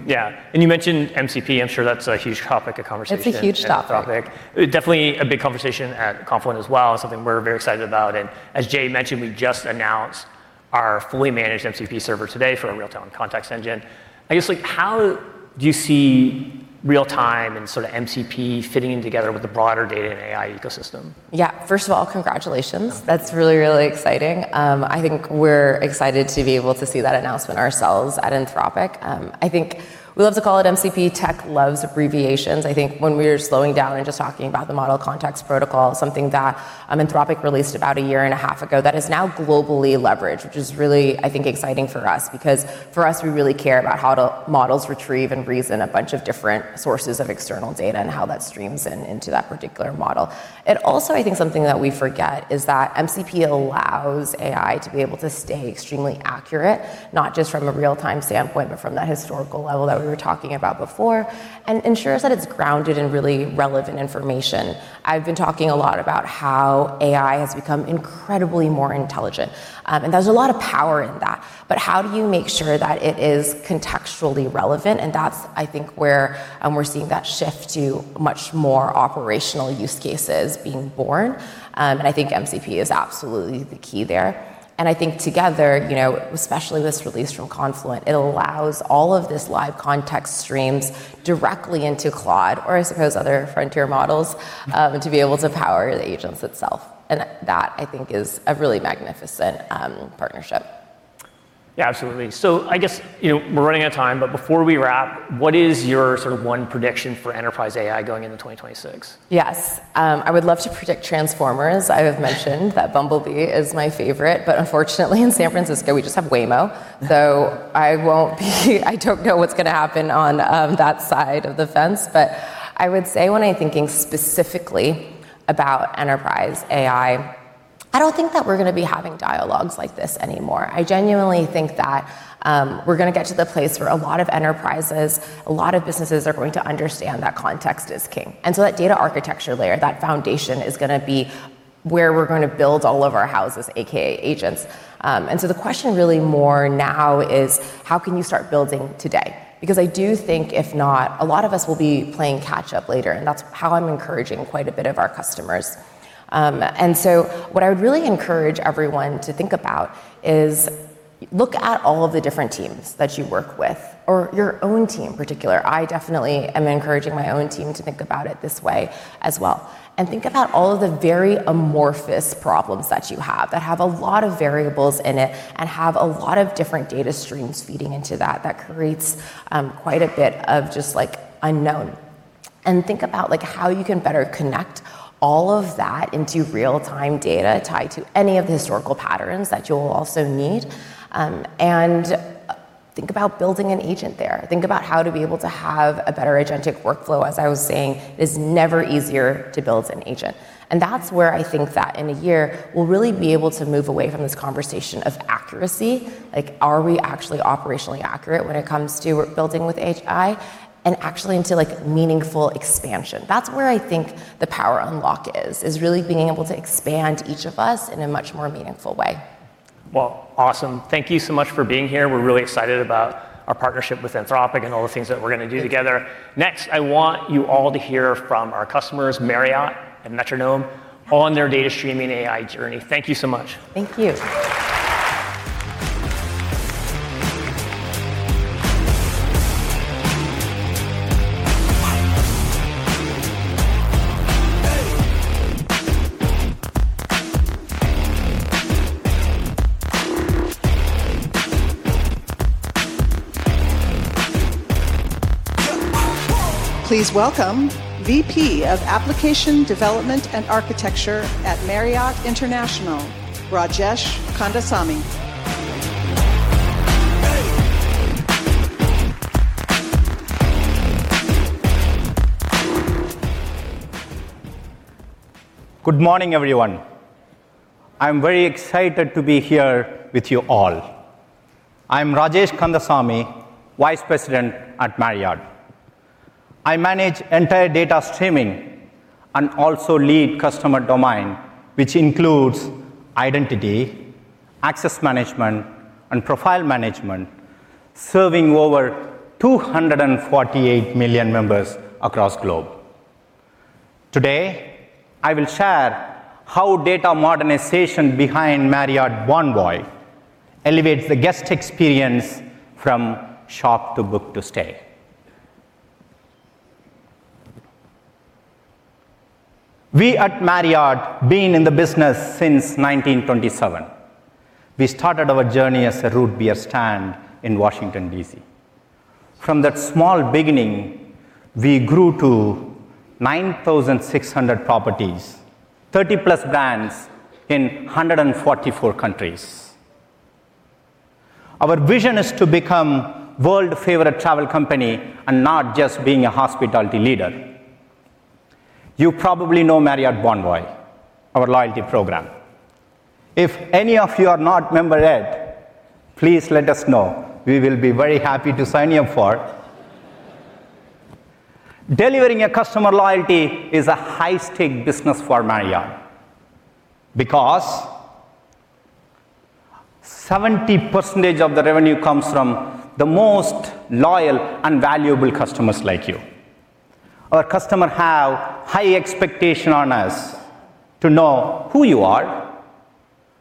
Yeah. And you mentioned MCP. I'm sure that's a huge topic of conversation. It's a huge topic. Definitely a big conversation at Confluent as well, something we're very excited about. And as Jay mentioned, we just announced our fully managed MCP server today for a real-time context engine. I guess, how do you see real-time and sort of MCP fitting in together with the broader data and AI ecosystem? Yeah. First of all, congratulations. That's really, really exciting. I think we're excited to be able to see that announcement ourselves at Anthropic. I think we love to call it MCP. Tech loves abbreviations. I think when we were slowing down and just talking about the Model Context Protocol, something that Anthropic released about a year and a half ago that is now globally leveraged, which is really, I think, exciting for us because for us, we really care about how models retrieve and reason a bunch of different sources of external data and how that streams into that particular model, and also, I think something that we forget is that MCP allows AI to be able to stay extremely accurate, not just from a real-time standpoint, but from that historical level that we were talking about before, and ensures that it's grounded in really relevant information. I've been talking a lot about how AI has become incredibly more intelligent, and there's a lot of power in that, but how do you make sure that it is contextually relevant? And that's, I think, where we're seeing that shift to much more operational use cases being born. And I think MCP is absolutely the key there. And I think together, especially with this release from Confluent, it allows all of this live context streams directly into Claude or, I suppose, other frontier models to be able to power the agents itself. And that, I think, is a really magnificent partnership. Yeah, absolutely. So I guess we're running out of time. But before we wrap, what is your sort of one prediction for enterprise AI going into 2026? Yes. I would love to predict Transformers. I have mentioned that Bumblebee is my favorite. But unfortunately, in San Francisco, we just have Waymo. So I don't know what's going to happen on that side of the fence. But I would say when I'm thinking specifically about enterprise AI, I don't think that we're going to be having dialogues like this anymore. I genuinely think that we're going to get to the place where a lot of enterprises, a lot of businesses are going to understand that context is king. And so that data architecture layer, that foundation is going to be where we're going to build all of our houses, a.k.a. agents. And so the question really more now is, how can you start building today? Because I do think, if not, a lot of us will be playing catch-up later. And that's how I'm encouraging quite a bit of our customers. And so what I would really encourage everyone to think about is look at all of the different teams that you work with or your own team in particular. I definitely am encouraging my own team to think about it this way as well, and think about all of the very amorphous problems that you have that have a lot of variables in it and have a lot of different data streams feeding into that that creates quite a bit of just unknown, and think about how you can better connect all of that into real-time data tied to any of the historical patterns that you will also need, and think about building an agent there. Think about how to be able to have a better agentic workflow. As I was saying, it is never easier to build an agent, and that's where I think that in a year, we'll really be able to move away from this conversation of accuracy. Are we actually operationally accurate when it comes to building with AI, and actually into meaningful expansion? That's where I think the power unlock is, is really being able to expand each of us in a much more meaningful way. Well, awesome. Thank you so much for being here. We're really excited about our partnership with Anthropic and all the things that we're going to do together. Next, I want you all to hear from our customers, Marriott and Metronome, on their data streaming AI journey. Thank you so much. Thank you. Please welcome VP of Application Development and Architecture at Marriott International, Rajesh Kandasamy. Good morning, everyone. I'm very excited to be here with you all. I'm Rajesh Kandasamy, Vice President at Marriott. I manage entire data streaming and also lead customer domain, which includes identity, access management, and profile management, serving over 248 million members across the globe. Today, I will share how data modernization behind Marriott Bonvoy elevates the guest experience from shop to book to stay. We at Marriott, being in the business since 1927, started our journey as a root beer stand in Washington, D.C. From that small beginning, we grew to 9,600 properties, 30-plus brands in 144 countries. Our vision is to become a world-favorite travel company and not just being a hospitality leader. You probably know Marriott Bonvoy, our loyalty program. If any of you are not a member yet, please let us know. We will be very happy to sign you up for. Delivering customer loyalty is a high-stakes business for Marriott because 70% of the revenue comes from the most loyal and valuable customers like you. Our customers have high expectations on us to know who you are,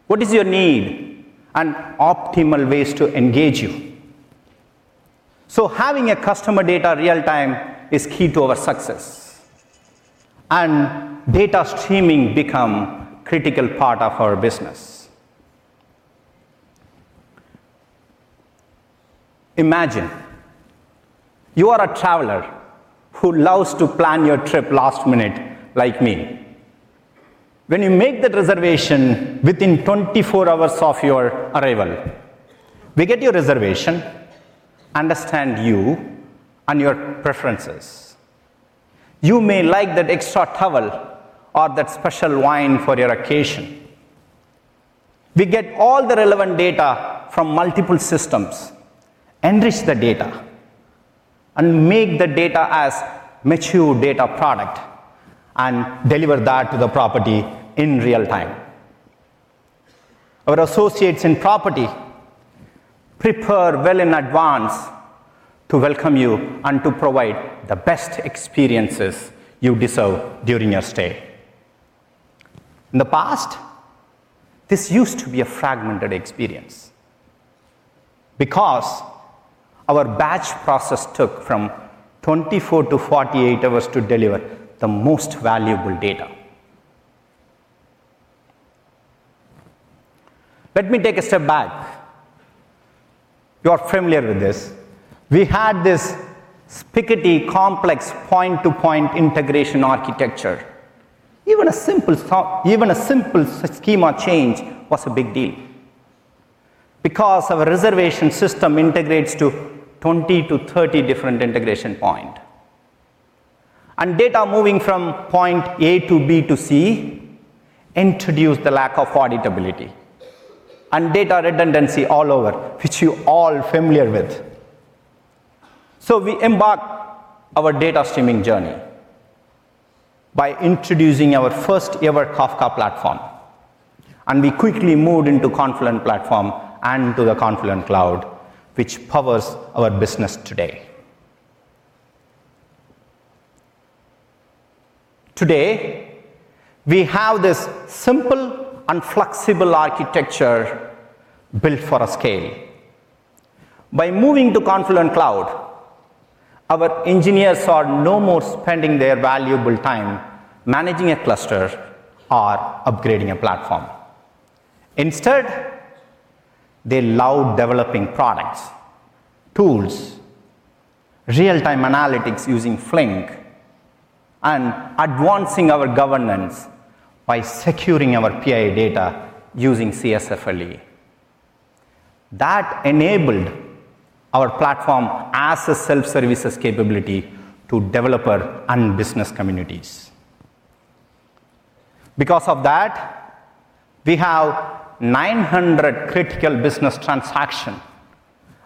what is your need, and optimal ways to engage you. Having customer data real-time is key to our success. Data streaming becomes a critical part of our business. Imagine you are a traveler who loves to plan your trip last minute like me. When you make the reservation within 24 hours of your arrival, we get your reservation, understand you, and your preferences. You may like that extra towel or that special wine for your occasion. We get all the relevant data from multiple systems, enrich the data, and make the data as a mature data product and deliver that to the property in real-time. Our associates in property prepare well in advance to welcome you and to provide the best experiences you deserve during your stay. In the past, this used to be a fragmented experience because our batch process took from 24 to 48 hours to deliver the most valuable data. Let me take a step back. You're familiar with this. We had this spaghetti, complex point-to-point integration architecture. Even a simple schema change was a big deal because our reservation system integrates to 20 to 30 different integration points. And data moving from point A to B to C introduced the lack of auditability and data redundancy all over, which you're all familiar with. So we embarked on our data streaming journey by introducing our first-ever Kafka platform. And we quickly moved into Confluent Platform and to the Confluent Cloud, which powers our business today. Today, we have this simple and flexible architecture built for scale. By moving to Confluent Cloud, our engineers are no more spending their valuable time managing a cluster or upgrading a platform. Instead, they allow developing products, tools, real-time analytics using Flink, and advancing our governance by securing our PII data using CSFLE. That enabled our platform as a self-service capability to developers and business communities. Because of that, we have 900 critical business transactions,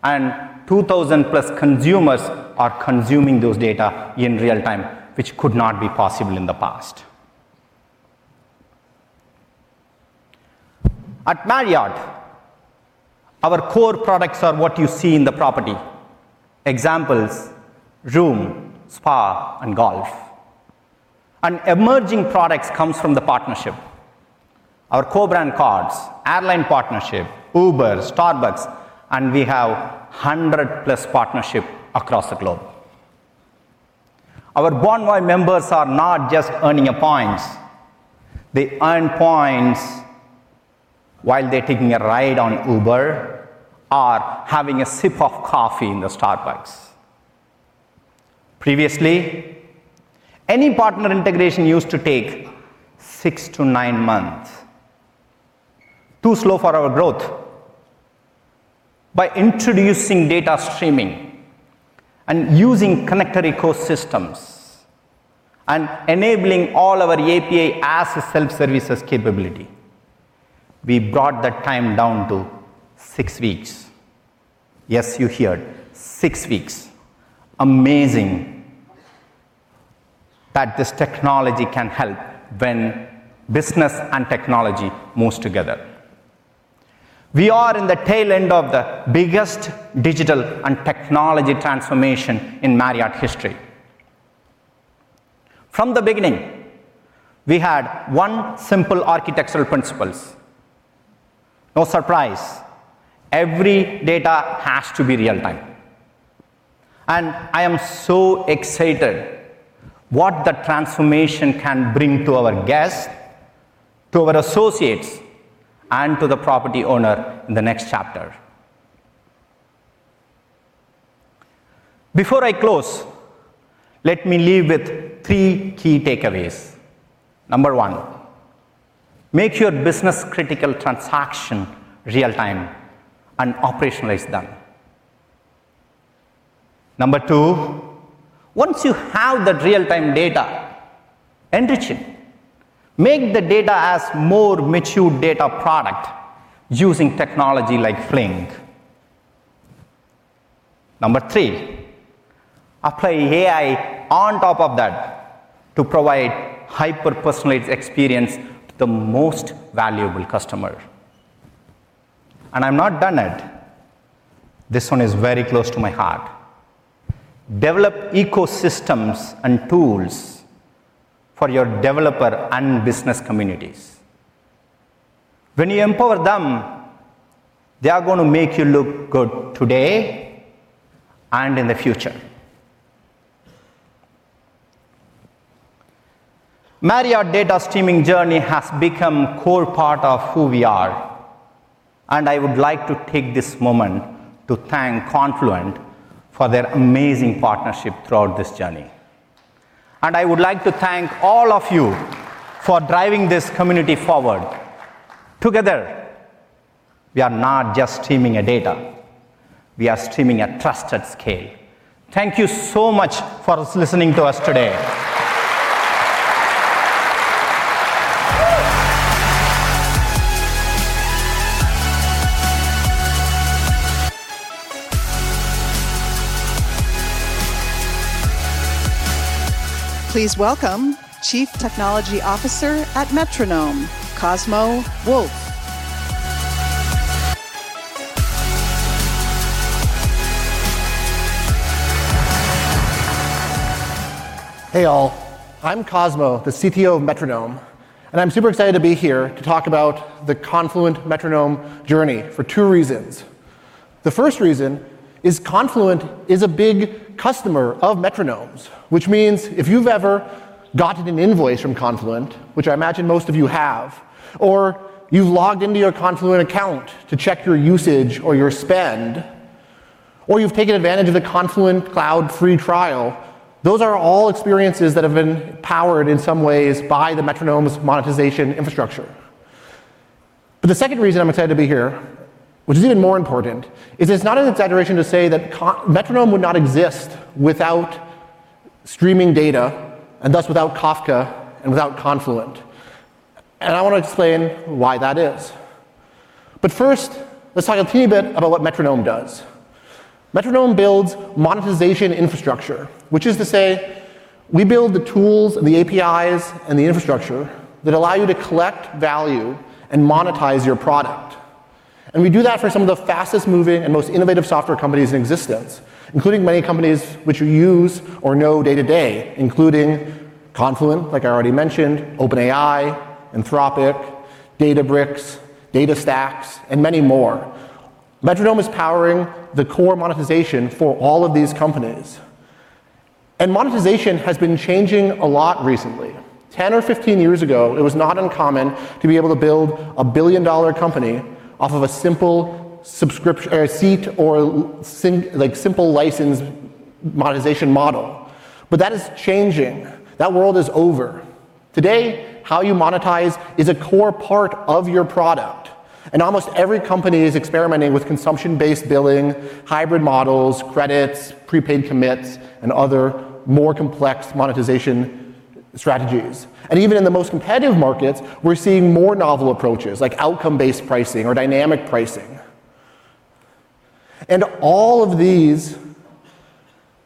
and 2,000-plus consumers are consuming those data in real-time, which could not be possible in the past. At Marriott, our core products are what you see in the property: examples, room, spa, and golf. And emerging products come from the partnership: our co-brand cards, airline partnership, Uber, Starbucks, and we have 100-plus partnerships across the globe. Our Bonvoy members are not just earning points. They earn points while they're taking a ride on Uber or having a sip of coffee in the Starbucks. Previously, any partner integration used to take six to nine months, too slow for our growth. By introducing data streaming and using connected ecosystems and enabling all our API as a self-service capability, we brought that time down to six weeks. Yes, you hear it, six weeks. Amazing that this technology can help when business and technology move together. We are in the tail end of the biggest digital and technology transformation in Marriott history. From the beginning, we had one simple architectural principle. No surprise, every data has to be real-time, and I am so excited about what the transformation can bring to our guests, to our associates, and to the property owner in the next chapter. Before I close, let me leave with three key takeaways. Number one, make your business-critical transactions real-time and operationalize them. Number two, once you have that real-time data, enrich it. Make the data as a more mature data product using technology like Flink. Number three, apply AI on top of that to provide a hyper-personalized experience to the most valuable customer, and I'm not done yet. This one is very close to my heart. Develop ecosystems and tools for your developer and business communities. When you empower them, they are going to make you look good today and in the future. Marriott data streaming journey has become a core part of who we are. And I would like to take this moment to thank Confluent for their amazing partnership throughout this journey. And I would like to thank all of you for driving this community forward. Together, we are not just streaming data. We are streaming at trusted scale. Thank you so much for listening to us today. Please welcome Chief Technology Officer at Metronome, Cosmo Wolfe. Hey, all. I'm Cosmo, the CTO of Metronome. And I'm super excited to be here to talk about the Confluent Metronome journey for two reasons. The first reason is Confluent is a big customer of Metronome's, which means if you've ever gotten an invoice from Confluent, which I imagine most of you have, or you've logged into your Confluent account to check your usage or your spend, or you've taken advantage of the Confluent Cloud free trial, those are all experiences that have been powered in some ways by the Metronome's monetization infrastructure. But the second reason I'm excited to be here, which is even more important, is it's not an exaggeration to say that Metronome would not exist without streaming data, and thus without Kafka and without Confluent. And I want to explain why that is. But first, let's talk a teeny bit about what Metronome does. Metronome builds monetization infrastructure, which is to say we build the tools and the APIs and the infrastructure that allow you to collect value and monetize your product. And we do that for some of the fastest-moving and most innovative software companies in existence, including many companies which you use or know day-to-day, including Confluent, like I already mentioned, OpenAI, Anthropic, Databricks, DataStax, and many more. Metronome is powering the core monetization for all of these companies. And monetization has been changing a lot recently. 10 or 15 years ago, it was not uncommon to be able to build a billion-dollar company off of a simple seat or simple license monetization model. But that is changing. That world is over. Today, how you monetize is a core part of your product. And almost every company is experimenting with consumption-based billing, hybrid models, credits, prepaid commits, and other more complex monetization strategies. And even in the most competitive markets, we're seeing more novel approaches like outcome-based pricing or dynamic pricing. And all of these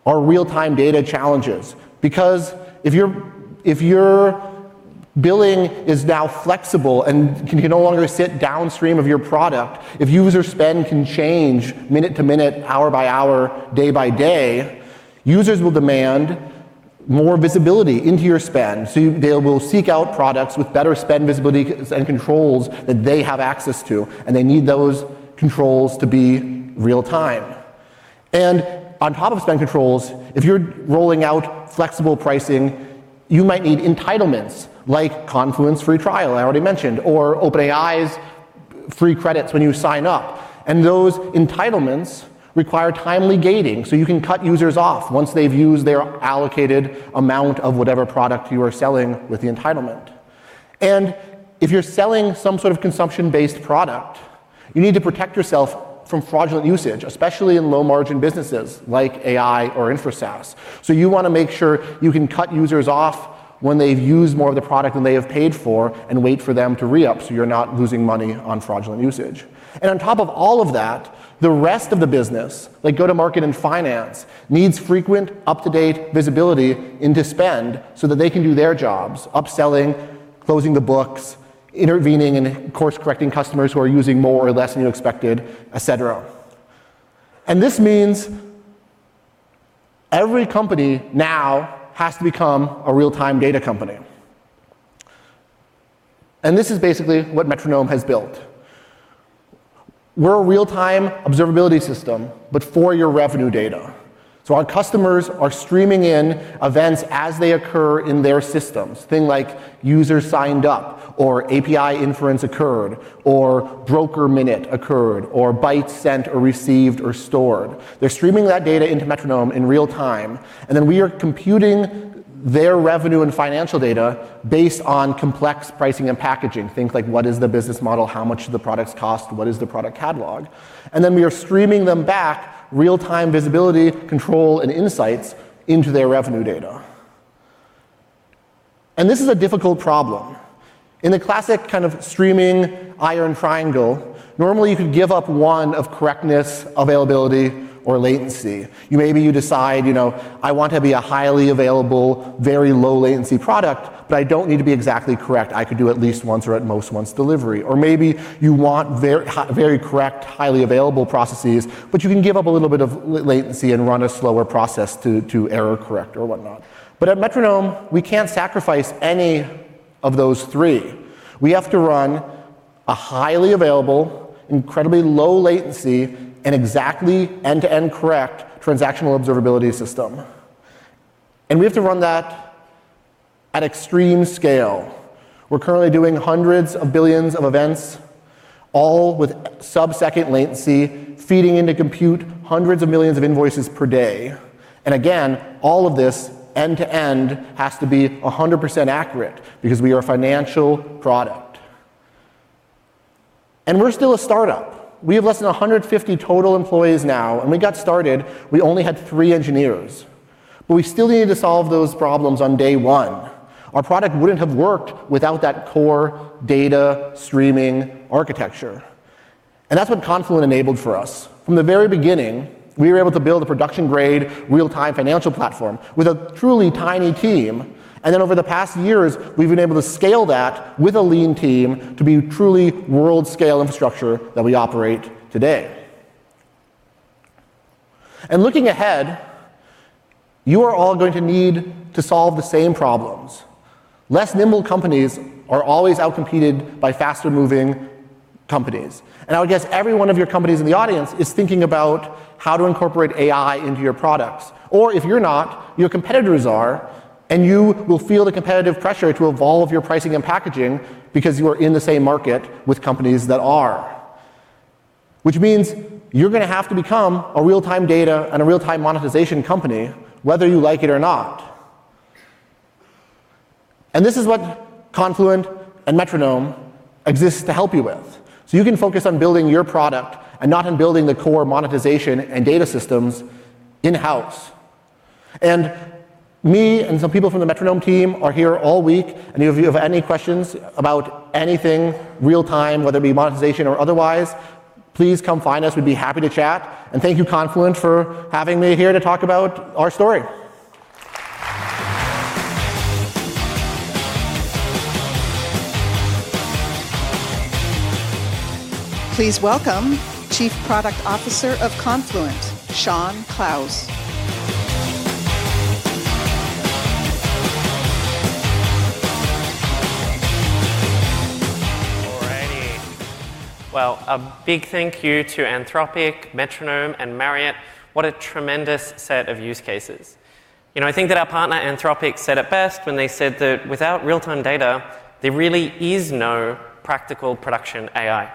are real-time data challenges because if your billing is now flexible and you can no longer sit downstream of your product, if user spend can change minute to minute, hour by hour, day by day, users will demand more visibility into your spend. So they will seek out products with better spend visibility and controls that they have access to. And they need those controls to be real-time. And on top of spend controls, if you're rolling out flexible pricing, you might need entitlements like Confluent free trial, I already mentioned, or OpenAI's free credits when you sign up. And those entitlements require timely gating so you can cut users off once they've used their allocated amount of whatever product you are selling with the entitlement. And if you're selling some sort of consumption-based product, you need to protect yourself from fraudulent usage, especially in low-margin businesses like AI or Infra SaaS. So you want to make sure you can cut users off when they've used more of the product than they have paid for and wait for them to re-up so you're not losing money on fraudulent usage. And on top of all of that, the rest of the business, like go-to-market and finance, needs frequent, up-to-date visibility into spend so that they can do their jobs: upselling, closing the books, intervening and course-correcting customers who are using more or less than you expected, et cetera. And this means every company now has to become a real-time data company. And this is basically what Metronome has built. We're a real-time observability system, but for your revenue data. So our customers are streaming in events as they occur in their systems, things like users signed up, or API inference occurred, or broker minute occurred, or bytes sent or received or stored. They're streaming that data into Metronome in real-time. And then we are computing their revenue and financial data based on complex pricing and packaging, things like what is the business model, how much do the products cost, what is the product catalog. And then we are streaming them back, real-time visibility, control, and insights into their revenue data. And this is a difficult problem. In the classic kind of streaming iron triangle, normally you could give up one of correctness, availability, or latency. Maybe you decide, "I want to be a highly available, very low-latency product, but I don't need to be exactly correct. I could do at-least-once or at-most-once delivery." Or maybe you want very correct, highly available processes, but you can give up a little bit of latency and run a slower process to error-correct or whatnot. But at Metronome, we can't sacrifice any of those three. We have to run a highly available, incredibly low-latency, and exactly end-to-end correct transactional observability system. And we have to run that at extreme scale. We're currently doing hundreds of billions of events, all with sub-second latency, feeding into compute hundreds of millions of invoices per day. And again, all of this end-to-end has to be 100% accurate because we are a financial product. And we're still a startup. We have less than 150 total employees now. And when we got started, we only had three engineers. But we still needed to solve those problems on day one. Our product wouldn't have worked without that core data streaming architecture. And that's what Confluent enabled for us. From the very beginning, we were able to build a production-grade real-time financial platform with a truly tiny team. And then over the past years, we've been able to scale that with a lean team to be truly world-scale infrastructure that we operate today. And looking ahead, you are all going to need to solve the same problems. Less nimble companies are always outcompeted by faster-moving companies. And I would guess every one of your companies in the audience is thinking about how to incorporate AI into your products. Or if you're not, your competitors are. And you will feel the competitive pressure to evolve your pricing and packaging because you are in the same market with companies that are. Which means you're going to have to become a real-time data and a real-time monetization company, whether you like it or not. And this is what Confluent and Metronome exist to help you with. So you can focus on building your product and not on building the core monetization and data systems in-house. And me and some people from the Metronome team are here all week. And if you have any questions about anything real-time, whether it be monetization or otherwise, please come find us. We'd be happy to chat. And thank you, Confluent, for having me here to talk about our story. Please welcome Chief Product Officer of Confluent, Shaun Clowes. All righty, well, a big thank you to Anthropic, Metronome, and Marriott. What a tremendous set of use cases. I think that our partner, Anthropic, said it best when they said that without real-time data, there really is no practical production AI,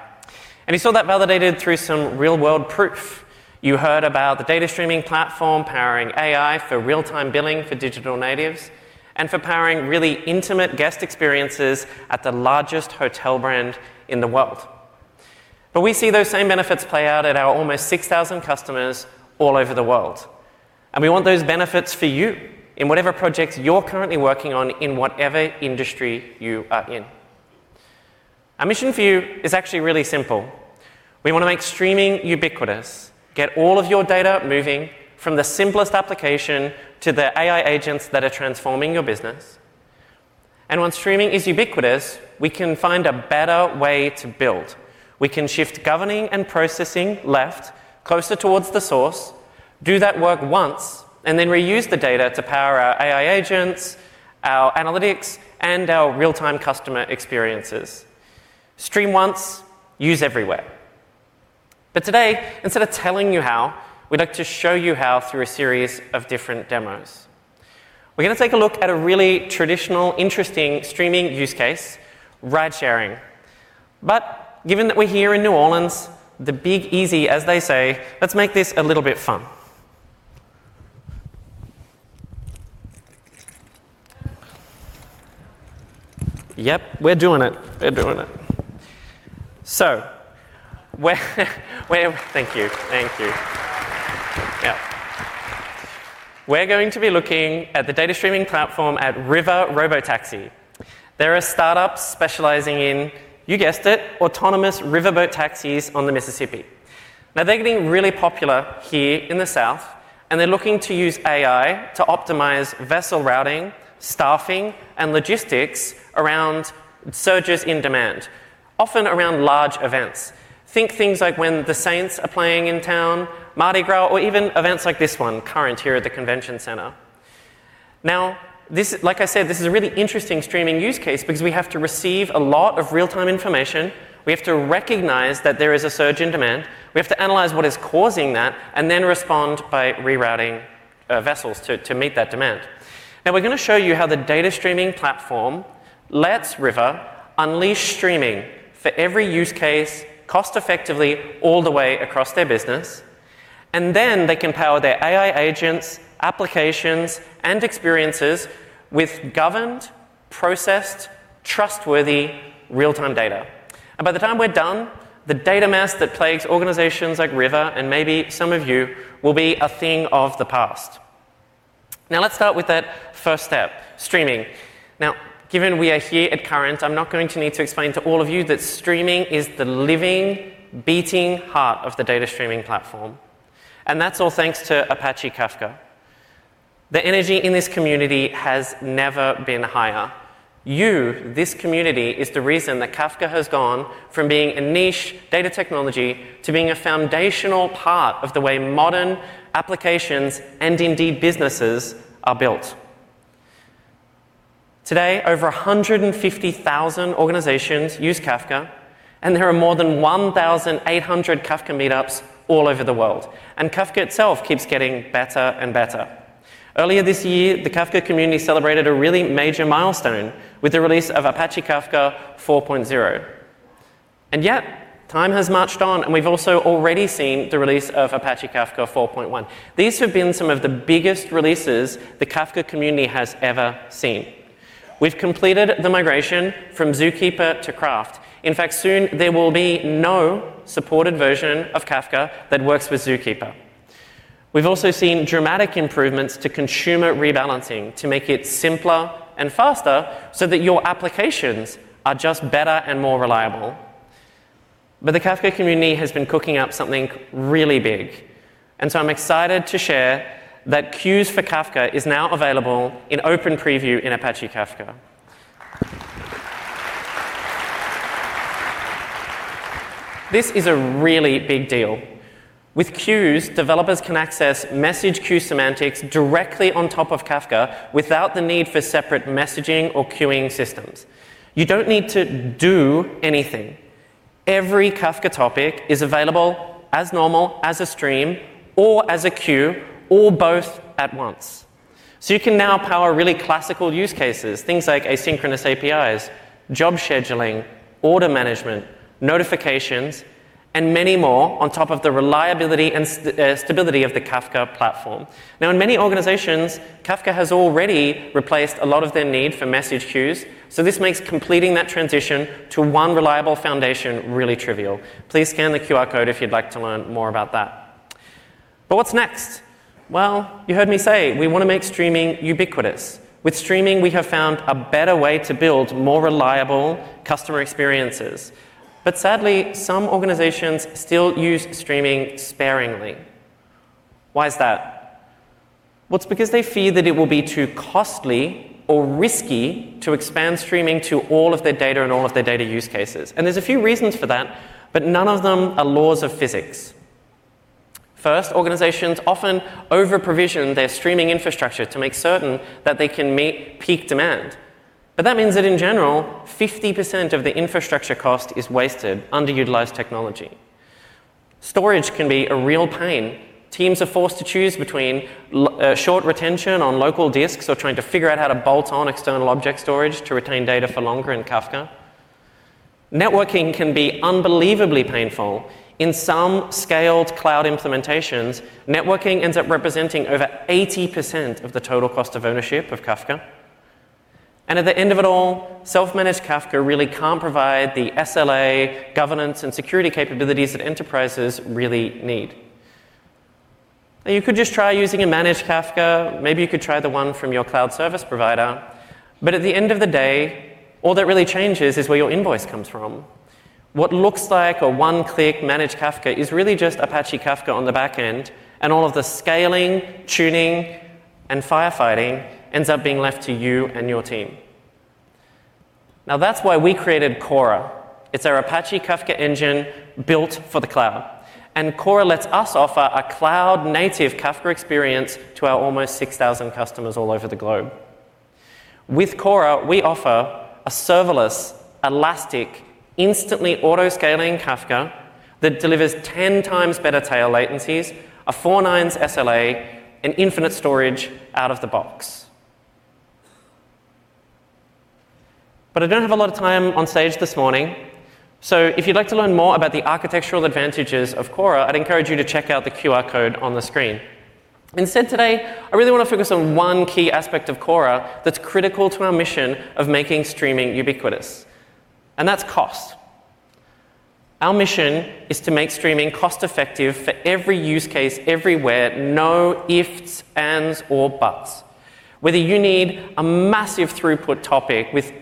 and we saw that validated through some real-world proof. You heard about the data streaming platform powering AI for real-time billing for digital natives and for powering really intimate guest experiences at the largest hotel brand in the world, but we see those same benefits play out at our almost 6,000 customers all over the world, and we want those benefits for you in whatever projects you're currently working on in whatever industry you are in. Our mission for you is actually really simple. We want to make streaming ubiquitous, get all of your data moving from the simplest application to the AI agents that are transforming your business. And once streaming is ubiquitous, we can find a better way to build. We can shift governing and processing left, closer toward the source, do that work once, and then reuse the data to power our AI agents, our analytics, and our real-time customer experiences. Stream once, use everywhere. But today, instead of telling you how, we'd like to show you how through a series of different demos. We're going to take a look at a really traditional, interesting streaming use case, ride-sharing. But given that we're here in New Orleans, the Big Easy, as they say, let's make this a little bit fun. Yep, we're doing it. We're doing it. So thank you. Thank you. Yep. We're going to be looking at the data streaming platform at River Robotaxi. They're a startup specializing in, you guessed it, autonomous riverboat taxis on the Mississippi. Now, they're getting really popular here in the South, and they're looking to use AI to optimize vessel routing, staffing, and logistics around surges in demand, often around large events. Think things like when the Saints are playing in town, Mardi Gras, or even events like this one, Current, here at the convention center. Now, like I said, this is a really interesting streaming use case because we have to receive a lot of real-time information. We have to recognize that there is a surge in demand. We have to analyze what is causing that and then respond by rerouting vessels to meet that demand. Now, we're going to show you how the data streaming platform lets River unleash streaming for every use case cost-effectively all the way across their business, and then they can power their AI agents, applications, and experiences with governed, processed, trustworthy real-time data. And by the time we're done, the data mess that plagues organizations like River and maybe some of you will be a thing of the past. Now, let's start with that first step, streaming. Now, given we are here at Current, I'm not going to need to explain to all of you that streaming is the living, beating heart of the data streaming platform. And that's all thanks to Apache Kafka. The energy in this community has never been higher. You, this community, is the reason that Kafka has gone from being a niche data technology to being a foundational part of the way modern applications and indeed businesses are built. Today, over 150,000 organizations use Kafka. And there are more than 1,800 Kafka meetups all over the world. And Kafka itself keeps getting better and better. Earlier this year, the Kafka community celebrated a really major milestone with the release of Apache Kafka 4.0, and yet time has marched on, and we've also already seen the release of Apache Kafka 4.1. These have been some of the biggest releases the Kafka community has ever seen. We've completed the migration from ZooKeeper to KRaft. In fact, soon there will be no supported version of Kafka that works with ZooKeeper. We've also seen dramatic improvements to consumer rebalancing to make it simpler and faster so that your applications are just better and more reliable, but the Kafka community has been cooking up something really big, and so I'm excited to share that Queues for Kafka is now available in open preview in Apache Kafka. This is a really big deal. With Queues, developers can access message queue semantics directly on top of Kafka without the need for separate messaging or queuing systems. You don't need to do anything. Every Kafka topic is available as normal, as a stream, or as a queue, or both at once. So you can now power really classical use cases, things like asynchronous APIs, job scheduling, order management, notifications, and many more on top of the reliability and stability of the Kafka platform. Now, in many organizations, Kafka has already replaced a lot of their need for message queues. So this makes completing that transition to one reliable foundation really trivial. Please scan the QR code if you'd like to learn more about that. But what's next? Well, you heard me say we want to make streaming ubiquitous. With streaming, we have found a better way to build more reliable customer experiences. But sadly, some organizations still use streaming sparingly. Why is that? Well, it's because they fear that it will be too costly or risky to expand streaming to all of their data and all of their data use cases. And there's a few reasons for that, but none of them are laws of physics. First, organizations often over-provision their streaming infrastructure to make certain that they can meet peak demand. But that means that in general, 50% of the infrastructure cost is wasted underutilized technology. Storage can be a real pain. Teams are forced to choose between short retention on local disks or trying to figure out how to bolt on external object storage to retain data for longer in Kafka. Networking can be unbelievably painful. In some scaled cloud implementations, networking ends up representing over 80% of the total cost of ownership of Kafka. And at the end of it all, self-managed Kafka really can't provide the SLA, governance, and security capabilities that enterprises really need. Now, you could just try using a managed Kafka. Maybe you could try the one from your cloud service provider. But at the end of the day, all that really changes is where your invoice comes from. What looks like a one-click managed Kafka is really just Apache Kafka on the back end. And all of the scaling, tuning, and firefighting ends up being left to you and your team. Now, that's why we created Kora. It's our Apache Kafka engine built for the cloud. And Kora lets us offer a cloud-native Kafka experience to our almost 6,000 customers all over the globe. With Kora, we offer a serverless, elastic, instantly autoscaling Kafka that delivers 10 times better tail latencies, a four-nines SLA, and infinite storage out of the box, but I don't have a lot of time on stage this morning, so if you'd like to learn more about the architectural advantages of Kora, I'd encourage you to check out the QR code on the screen. Instead today, I really want to focus on one key aspect of Kora that's critical to our mission of making streaming ubiquitous, and that's cost. Our mission is to make streaming cost-effective for every use case everywhere, no ifs, ands, or buts. Whether you need a massive throughput topic with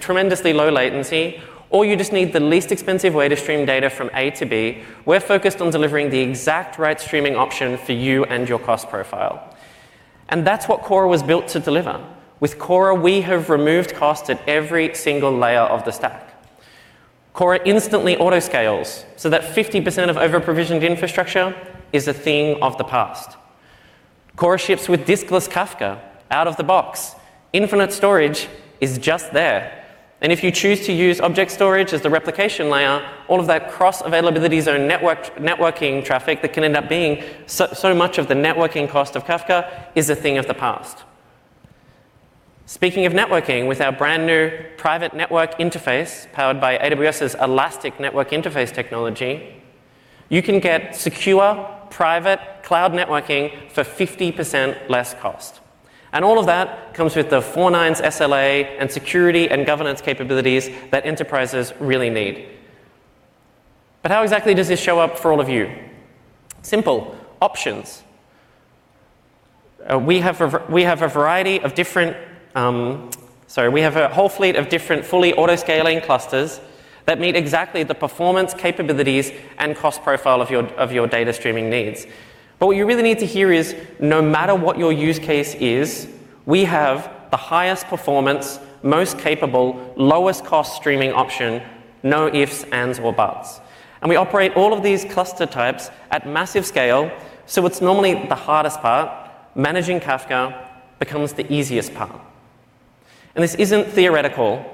tremendously low latency, or you just need the least expensive way to stream data from A to B, we're focused on delivering the exact right streaming option for you and your cost profile. That's what Kora was built to deliver. With Kora, we have removed costs at every single layer of the stack. Kora instantly autoscales so that 50% of over-provisioned infrastructure is a thing of the past. Kora ships with diskless Kafka out of the box. Infinite storage is just there. And if you choose to use object storage as the replication layer, all of that cross-availability zone networking traffic that can end up being so much of the networking cost of Kafka is a thing of the past. Speaking of networking, with our brand new Private Network Interface powered by AWS's Elastic Network Interface technology, you can get secure, private cloud networking for 50% less cost. And all of that comes with the four-nines SLA and security and governance capabilities that enterprises really need. But how exactly does this show up for all of you? Simple. Options. We have a whole fleet of different fully autoscaling clusters that meet exactly the performance capabilities and cost profile of your data streaming needs. But what you really need to hear is, no matter what your use case is, we have the highest performance, most capable, lowest cost streaming option, no ifs, ands, or buts. And we operate all of these cluster types at massive scale. So it's normally the hardest part. Managing Kafka becomes the easiest part. And this isn't theoretical.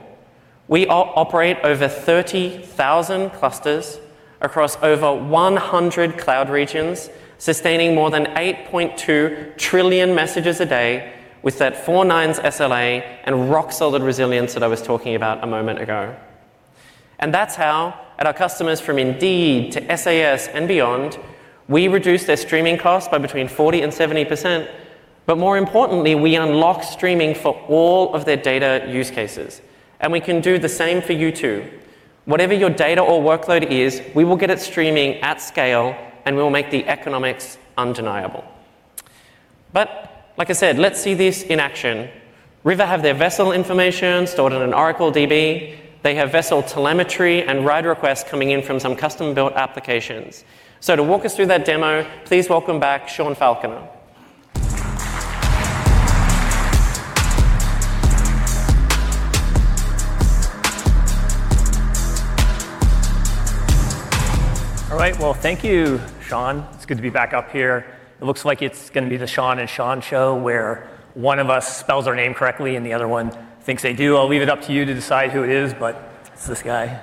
We operate over 30,000 clusters across over 100 cloud regions, sustaining more than 8.2 trillion messages a day with that four-nines SLA and rock-solid resilience that I was talking about a moment ago. And that's how, at our customers from Indeed to SAS and beyond, we reduce their streaming cost by between 40% and 70%. But more importantly, we unlock streaming for all of their data use cases. And we can do the same for you too. Whatever your data or workload is, we will get it streaming at scale. And we will make the economics undeniable. But like I said, let's see this in action. River have their vessel information stored in an Oracle DB. They have vessel telemetry and ride requests coming in from some custom-built applications. So to walk us through that demo, please welcome back Sean Falconer. All right. Well, thank you, Shaun. It's good to be back up here. It looks like it's going to be the Shaun and Sean show where one of us spells our name correctly and the other one thinks they do. I'll leave it up to you to decide who it is. But it's this guy.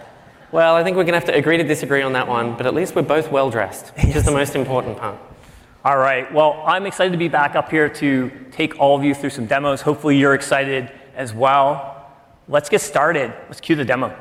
Well, I think we're going to have to agree to disagree on that one. But at least we're both well-dressed, which is the most important part. All right. Well, I'm excited to be back up here to take all of you through some demos. Hopefully, you're excited as well. Let's get started. Let's cue the demo.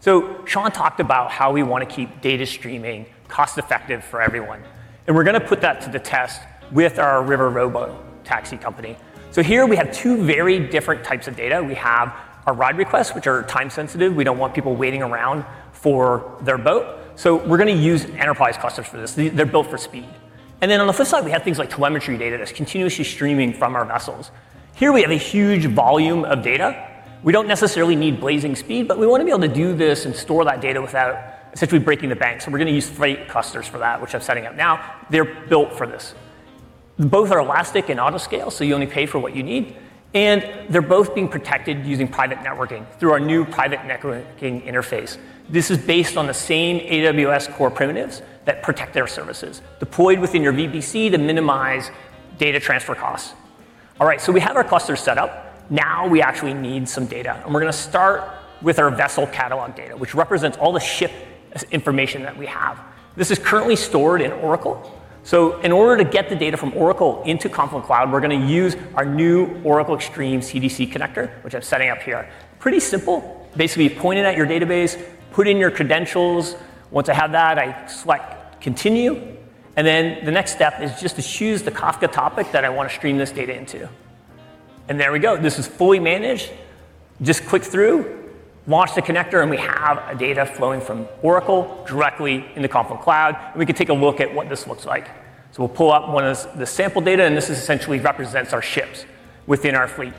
So Shaun talked about how we want to keep data streaming cost-effective for everyone. And we're going to put that to the test with our River Robotaxi company. So here we have two very different types of data. We have our ride requests, which are time-sensitive. We don't want people waiting around for their boat. So we're going to use Enterprise clusters for this. They're built for speed. And then on the flip side, we have things like telemetry data that's continuously streaming from our vessels. Here we have a huge volume of data. We don't necessarily need blazing speed. But we want to be able to do this and store that data without essentially breaking the bank. So we're going to use Freight clusters for that, which I'm setting up now. They're built for this. Both are elastic and autoscale. So you only pay for what you need. And they're both being protected using private networking through our new private networking interface. This is based on the same AWS core primitives that protect their services, deployed within your VPC to minimize data transfer costs. All right. So we have our clusters set up. Now we actually need some data. And we're going to start with our vessel catalog data, which represents all the ship information that we have. This is currently stored in Oracle. In order to get the data from Oracle into Confluent Cloud, we're going to use our new Oracle XStream CDC connector, which I'm setting up here. Pretty simple. Basically, point it at your database, put in your credentials. Once I have that, I select Continue. And then the next step is just to choose the Kafka topic that I want to stream this data into. And there we go. This is fully managed. Just click through, launch the connector, and we have data flowing from Oracle directly in the Confluent Cloud. And we can take a look at what this looks like. So we'll pull up one of the sample data. And this essentially represents our ships within our fleet.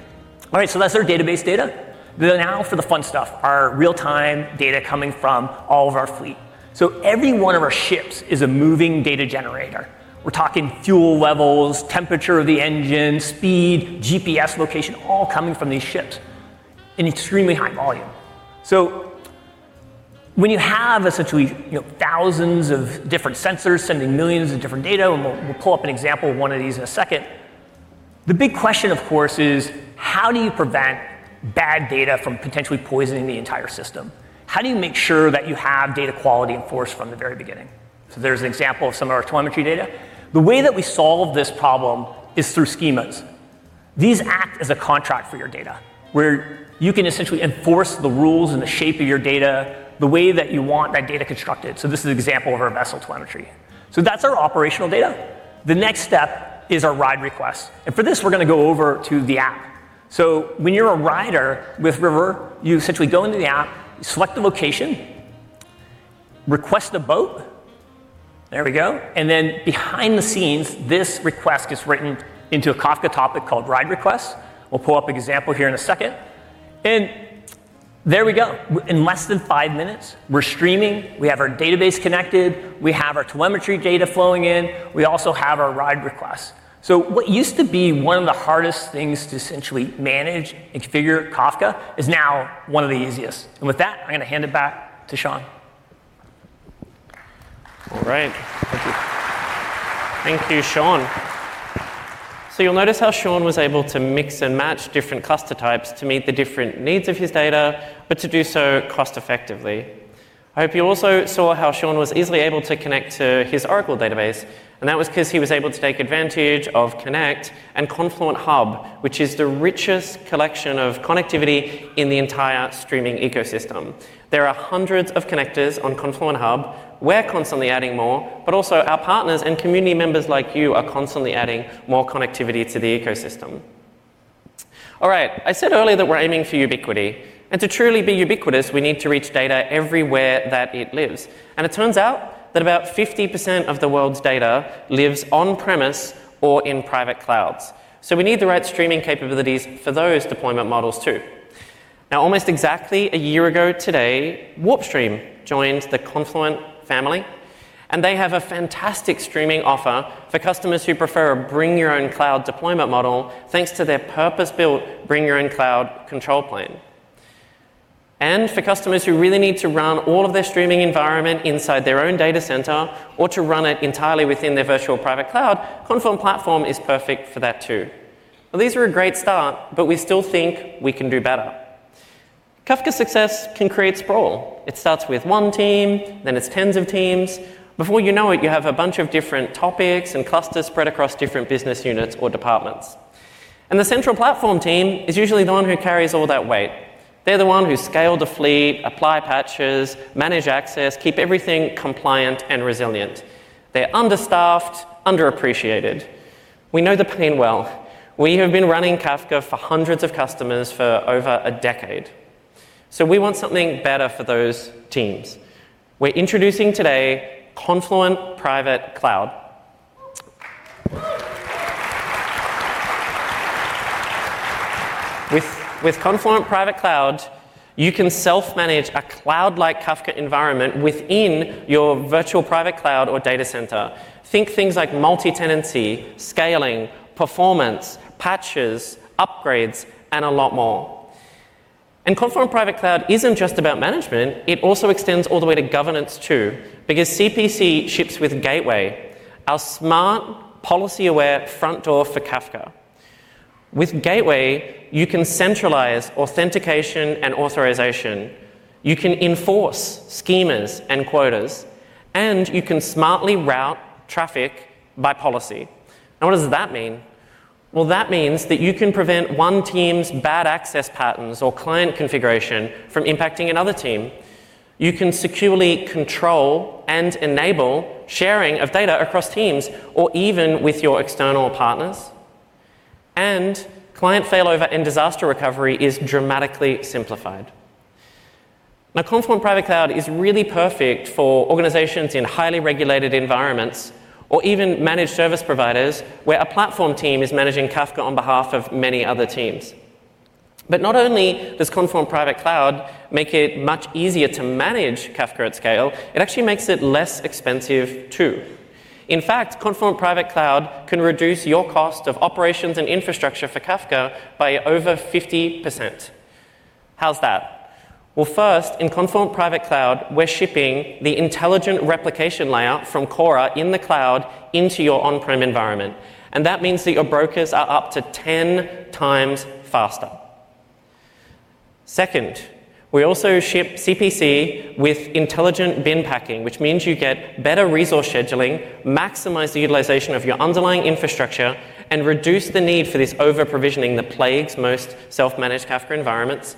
All right. So that's our database data. Now for the fun stuff, our real-time data coming from all of our fleet. So every one of our ships is a moving data generator. We're talking fuel levels, temperature of the engine, speed, GPS location, all coming from these ships in extremely high volume. So when you have essentially thousands of different sensors sending millions of different data, and we'll pull up an example of one of these in a second, the big question, of course, is how do you prevent bad data from potentially poisoning the entire system? How do you make sure that you have data quality enforced from the very beginning? So there's an example of some of our telemetry data. The way that we solve this problem is through schemas. These act as a contract for your data where you can essentially enforce the rules and the shape of your data the way that you want that data constructed. So this is an example of our vessel telemetry. So that's our operational data. The next step is our ride request. And for this, we're going to go over to the app. So when you're a rider with River, you essentially go into the app, select the location, request a boat. There we go. And then behind the scenes, this request gets written into a Kafka topic called ride request. We'll pull up an example here in a second. And there we go. In less than five minutes, we're streaming. We have our database connected. We have our telemetry data flowing in. We also have our ride request. So what used to be one of the hardest things to essentially manage and configure Kafka is now one of the easiest. And with that, I'm going to hand it back to Shaun. All right. Thank you. Thank you, Sean. So you'll notice how Sean was able to mix and match different cluster types to meet the different needs of his data, but to do so cost-effectively. I hope you also saw how Sean was easily able to connect to his Oracle database. And that was because he was able to take advantage of Connect and Confluent Hub, which is the richest collection of connectivity in the entire streaming ecosystem. There are hundreds of connectors on Confluent Hub. We're constantly adding more. But also, our partners and community members like you are constantly adding more connectivity to the ecosystem. All right. I said earlier that we're aiming for ubiquity. And to truly be ubiquitous, we need to reach data everywhere that it lives. And it turns out that about 50% of the world's data lives on-premise or in private clouds. So we need the right streaming capabilities for those deployment models too. Now, almost exactly a year ago today, WarpStream joined the Confluent family. And they have a fantastic streaming offer for customers who prefer a bring-your-own-cloud deployment model, thanks to their purpose-built bring-your-own-cloud control plane. And for customers who really need to run all of their streaming environment inside their own data center or to run it entirely within their virtual private cloud, Confluent Platform is perfect for that too. Now, these are a great start. But we still think we can do better. Kafka success can create sprawl. It starts with one team. Then it's tens of teams. Before you know it, you have a bunch of different topics and clusters spread across different business units or departments. And the central platform team is usually the one who carries all that weight. They're the ones who scale the fleet, apply patches, manage access, keep everything compliant and resilient. They're understaffed, underappreciated. We know the pain well. We have been running Kafka for hundreds of customers for over a decade. So we want something better for those teams. We're introducing today Confluent Private Cloud. With Confluent Private Cloud, you can self-manage a cloud-like Kafka environment within your virtual private cloud or data center. Think things like multi-tenancy, scaling, performance, patches, upgrades, and a lot more, and Confluent Private Cloud isn't just about management. It also extends all the way to governance too because CPC ships with Gateway, our smart, policy-aware front door for Kafka. With Gateway, you can centralize authentication and authorization. You can enforce schemas and quotas, and you can smartly route traffic by policy. Now, what does that mean? Well, that means that you can prevent one team's bad access patterns or client configuration from impacting another team. You can securely control and enable sharing of data across teams or even with your external partners, and client failover and disaster recovery is dramatically simplified. Now, Confluent Private Cloud is really perfect for organizations in highly regulated environments or even managed service providers where a platform team is managing Kafka on behalf of many other teams, but not only does Confluent Private Cloud make it much easier to manage Kafka at scale, it actually makes it less expensive too. In fact, Confluent Private Cloud can reduce your cost of operations and infrastructure for Kafka by over 50%. How's that? Well, first, in Confluent Private Cloud, we're shipping the intelligent replication layout from Kora in the cloud into your on-prem environment. And that means that your brokers are up to 10 times faster. Second, we also ship CPC with intelligent bin packing, which means you get better resource scheduling, maximize the utilization of your underlying infrastructure, and reduce the need for this over-provisioning that plagues most self-managed Kafka environments.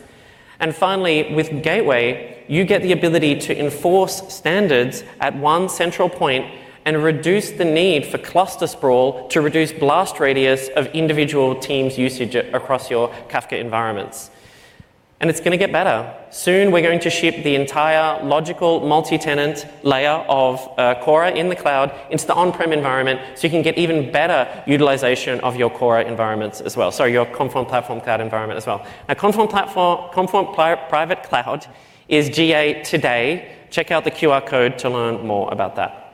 And finally, with Gateway, you get the ability to enforce standards at one central point and reduce the need for cluster sprawl to reduce blast radius of individual teams' usage across your Kafka environments. And it's going to get better. Soon, we're going to ship the entire logical multi-tenant layer of Kora in the cloud into the on-prem environment so you can get even better utilization of your Kora environments as well, sorry, your Confluent Platform Cloud environment as well. Now, Confluent Private Cloud is GA today. Check out the QR code to learn more about that.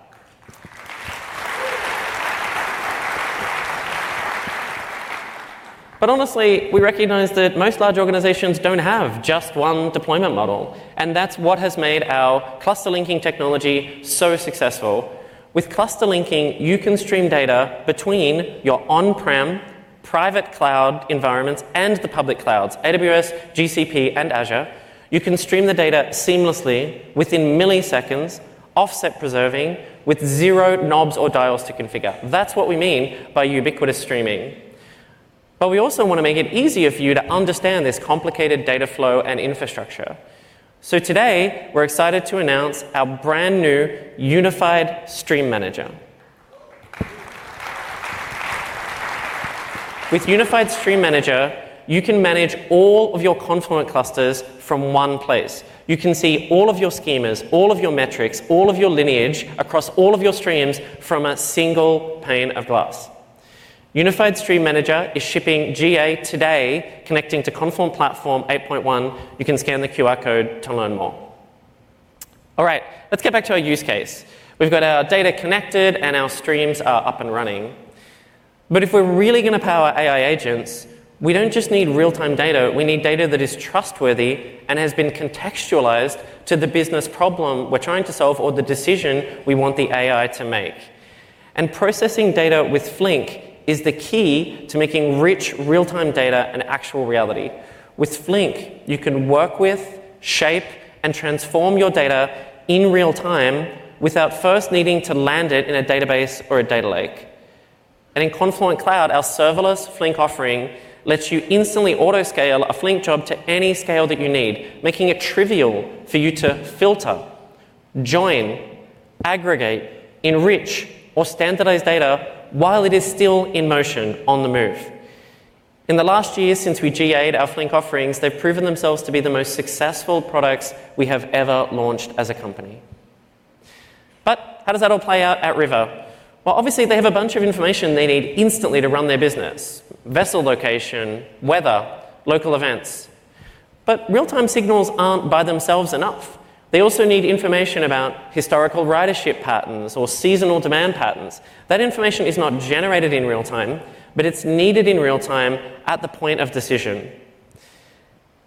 But honestly, we recognize that most large organizations don't have just one deployment model. And that's what has made our Cluster Linking technology so successful. With Cluster Linking, you can stream data between your on-prem private cloud environments and the public clouds, AWS, GCP, and Azure. You can stream the data seamlessly within milliseconds, offset-preserving, with zero knobs or dials to configure. That's what we mean by ubiquitous streaming. But we also want to make it easier for you to understand this complicated data flow and infrastructure. So today, we're excited to announce our brand new Unified Stream Manager. With Unified Stream Manager, you can manage all of your Confluent clusters from one place. You can see all of your schemas, all of your metrics, all of your lineage across all of your streams from a single pane of glass. Unified Stream Manager is shipping GA today, connecting to Confluent Platform 8.1. You can scan the QR code to learn more. All right. Let's get back to our use case. We've got our data connected, and our streams are up and running, but if we're really going to power AI agents, we don't just need real-time data. We need data that is trustworthy and has been contextualized to the business problem we're trying to solve or the decision we want the AI to make, and processing data with Flink is the key to making rich real-time data an actual reality. With Flink, you can work with, shape, and transform your data in real time without first needing to land it in a database or a data lake. In Confluent Cloud, our serverless Flink offering lets you instantly autoscale a Flink job to any scale that you need, making it trivial for you to filter, join, aggregate, enrich, or standardize data while it is still in motion, on the move. In the last year since we GAed our Flink offerings, they've proven themselves to be the most successful products we have ever launched as a company. But how does that all play out at River? Well, obviously, they have a bunch of information they need instantly to run their business: vessel location, weather, local events. But real-time signals aren't by themselves enough. They also need information about historical ridership patterns or seasonal demand patterns. That information is not generated in real time, but it's needed in real time at the point of decision.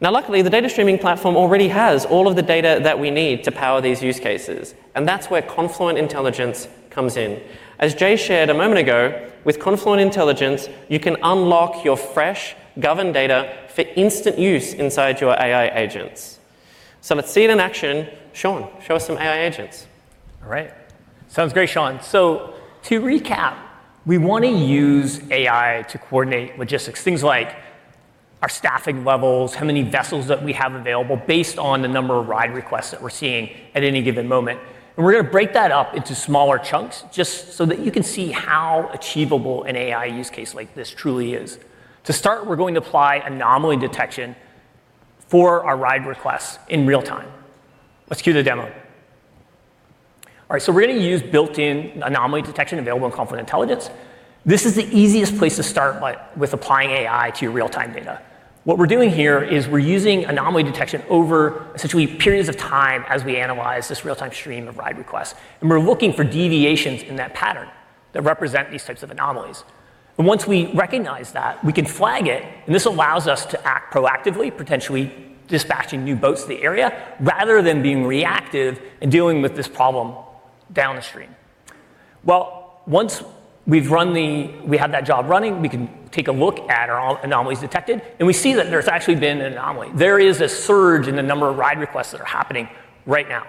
Now, luckily, the data streaming platform already has all of the data that we need to power these use cases. And that's where Confluent Intelligence comes in. As Jay shared a moment ago, with Confluent Intelligence, you can unlock your fresh, governed data for instant use inside your AI agents. So let's see it in action. Sean, show us some AI agents. All right. Sounds great, Shaun. So to recap, we want to use AI to coordinate logistics, things like our staffing levels, how many vessels that we have available based on the number of ride requests that we're seeing at any given moment. And we're going to break that up into smaller chunks just so that you can see how achievable an AI use case like this truly is. To start, we're going to apply anomaly detection for our ride requests in real time. Let's cue the demo. All right, so we're going to use built-in anomaly detection available in Confluent Intelligence. This is the easiest place to start with applying AI to your real-time data. What we're doing here is we're using anomaly detection over essentially periods of time as we analyze this real-time stream of ride requests, and we're looking for deviations in that pattern that represent these types of anomalies, and once we recognize that, we can flag it, and this allows us to act proactively, potentially dispatching new boats to the area rather than being reactive and dealing with this problem downstream, well, once we've run, we have that job running, we can take a look at our anomalies detected, and we see that there's actually been an anomaly. There is a surge in the number of ride requests that are happening right now.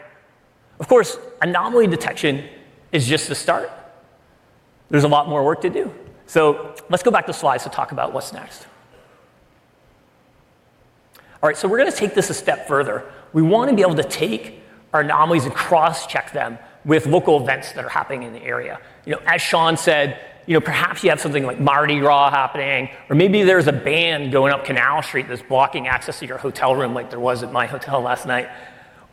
Of course, anomaly detection is just the start. There's a lot more work to do. So let's go back to slides to talk about what's next. All right. So we're going to take this a step further. We want to be able to take our anomalies and cross-check them with local events that are happening in the area. As Shaun said, perhaps you have something like Mardi Gras happening, or maybe there's a band going up Canal Street that's blocking access to your hotel room like there was at my hotel last night.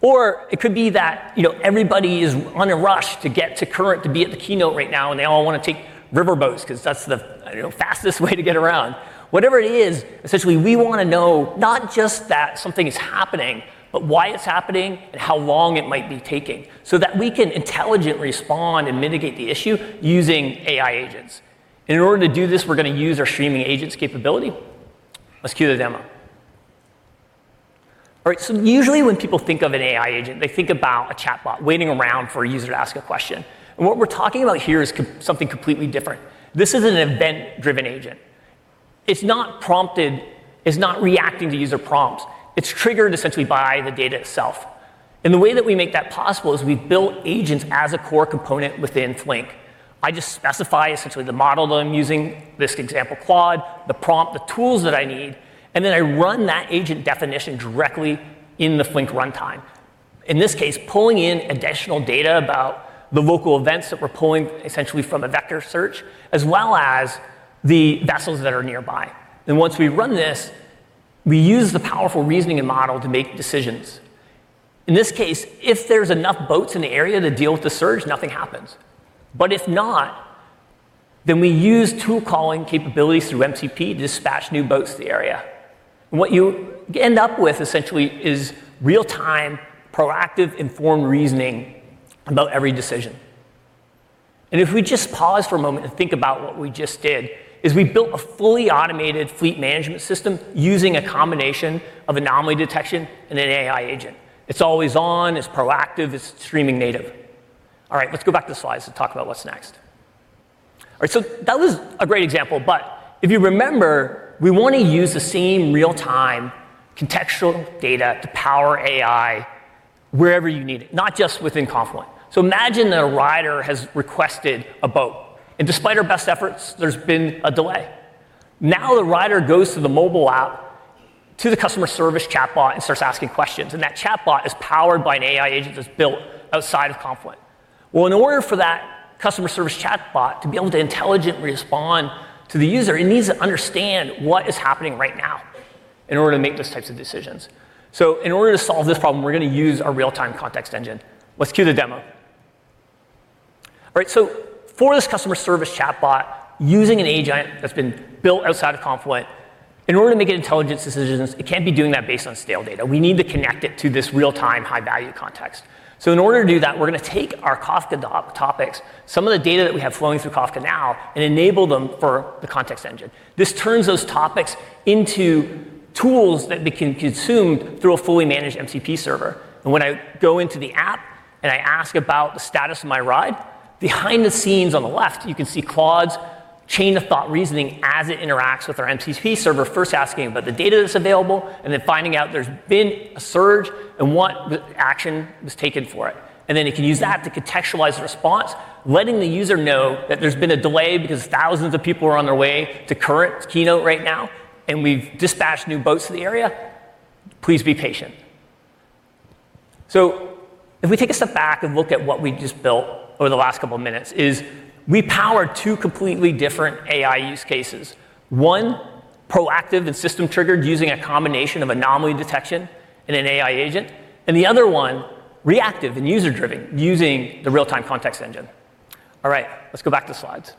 Or it could be that everybody is on a rush to get to Current to be at the keynote right now, and they all want to take river boats because that's the fastest way to get around. Whatever it is, essentially, we want to know not just that something is happening, but why it's happening and how long it might be taking so that we can intelligently respond and mitigate the issue using AI agents. And in order to do this, we're going to use our streaming agents capability. Let's cue the demo. All right. So usually, when people think of an AI agent, they think about a chatbot waiting around for a user to ask a question. And what we're talking about here is something completely different. This is an event-driven agent. It's not prompted. It's not reacting to user prompts. It's triggered essentially by the data itself. And the way that we make that possible is we've built agents as a core component within Flink. I just specify essentially the model that I'm using, this example, Claude, the prompt, the tools that I need. And then I run that agent definition directly in the Flink runtime, in this case, pulling in additional data about the local events that we're pulling essentially from a vector search, as well as the vessels that are nearby. And once we run this, we use the powerful reasoning and model to make decisions. In this case, if there's enough boats in the area to deal with the surge, nothing happens. But if not, then we use tool calling capabilities through MCP to dispatch new boats to the area. And what you end up with essentially is real-time, proactive, informed reasoning about every decision. And if we just pause for a moment and think about what we just did, we built a fully automated fleet management system using a combination of anomaly detection and an AI agent. It's always on. It's proactive. It's streaming native. All right. Let's go back to slides to talk about what's next. All right. So that was a great example. But if you remember, we want to use the same real-time contextual data to power AI wherever you need it, not just within Confluent. So imagine that a rider has requested a boat. And despite our best efforts, there's been a delay. Now, the rider goes to the mobile app, to the customer service chatbot, and starts asking questions. And that chatbot is powered by an AI agent that's built outside of Confluent. Well, in order for that customer service chatbot to be able to intelligently respond to the user, it needs to understand what is happening right now in order to make those types of decisions. So in order to solve this problem, we're going to use our real-time context engine. Let's cue the demo. All right. So for this customer service chatbot using an agent that's been built outside of Confluent, in order to make intelligent decisions, it can't be doing that based on stale data. We need to connect it to this real-time high-value context. So in order to do that, we're going to take our Kafka topics, some of the data that we have flowing through Kafka now, and enable them for the context engine. This turns those topics into tools that can be consumed through a fully managed MCP server. And when I go into the app and I ask about the status of my ride, behind the scenes on the left, you can see Claude's chain of thought reasoning as it interacts with our MCP server, first asking about the data that's available and then finding out there's been a surge and what action was taken for it. And then it can use that to contextualize the response, letting the user know that there's been a delay because thousands of people are on their way to Current keynote right now, and we've dispatched new boats to the area. Please be patient. So if we take a step back and look at what we just built over the last couple of minutes, we power two completely different AI use cases. One, proactive and system-triggered using a combination of anomaly detection and an AI agent. And the other one, reactive and user-driven using the real-time context engine. All right. Let's go back to slides.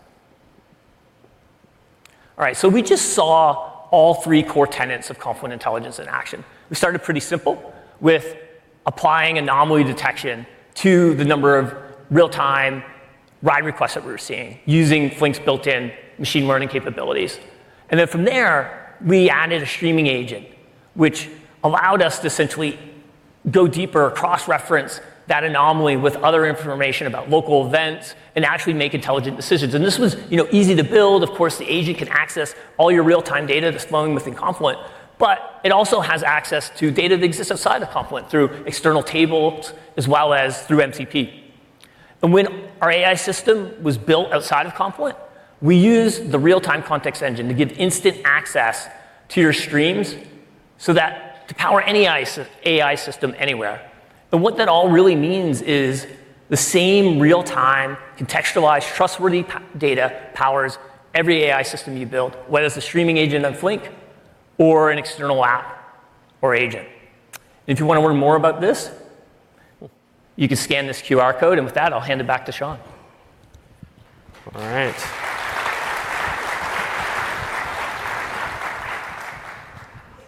All right. So we just saw all three core tenets of Confluent Intelligence in action. We started pretty simple with applying anomaly detection to the number of real-time ride requests that we were seeing using Flink's built-in machine learning capabilities. And then from there, we added a streaming agent, which allowed us to essentially go deeper, cross-reference that anomaly with other information about local events and actually make intelligent decisions. And this was easy to build. Of course, the agent can access all your real-time data that's flowing within Confluent. But it also has access to data that exists outside of Confluent through external tables as well as through MCP. And when our AI system was built outside of Confluent, we used the real-time context engine to give instant access to your streams so that to power any AI system anywhere. And what that all really means is the same real-time contextualized trustworthy data powers every AI system you build, whether it's a streaming agent on Flink or an external app or agent. And if you want to learn more about this, you can scan this QR code. And with that, I'll hand it back to Shaun. All right.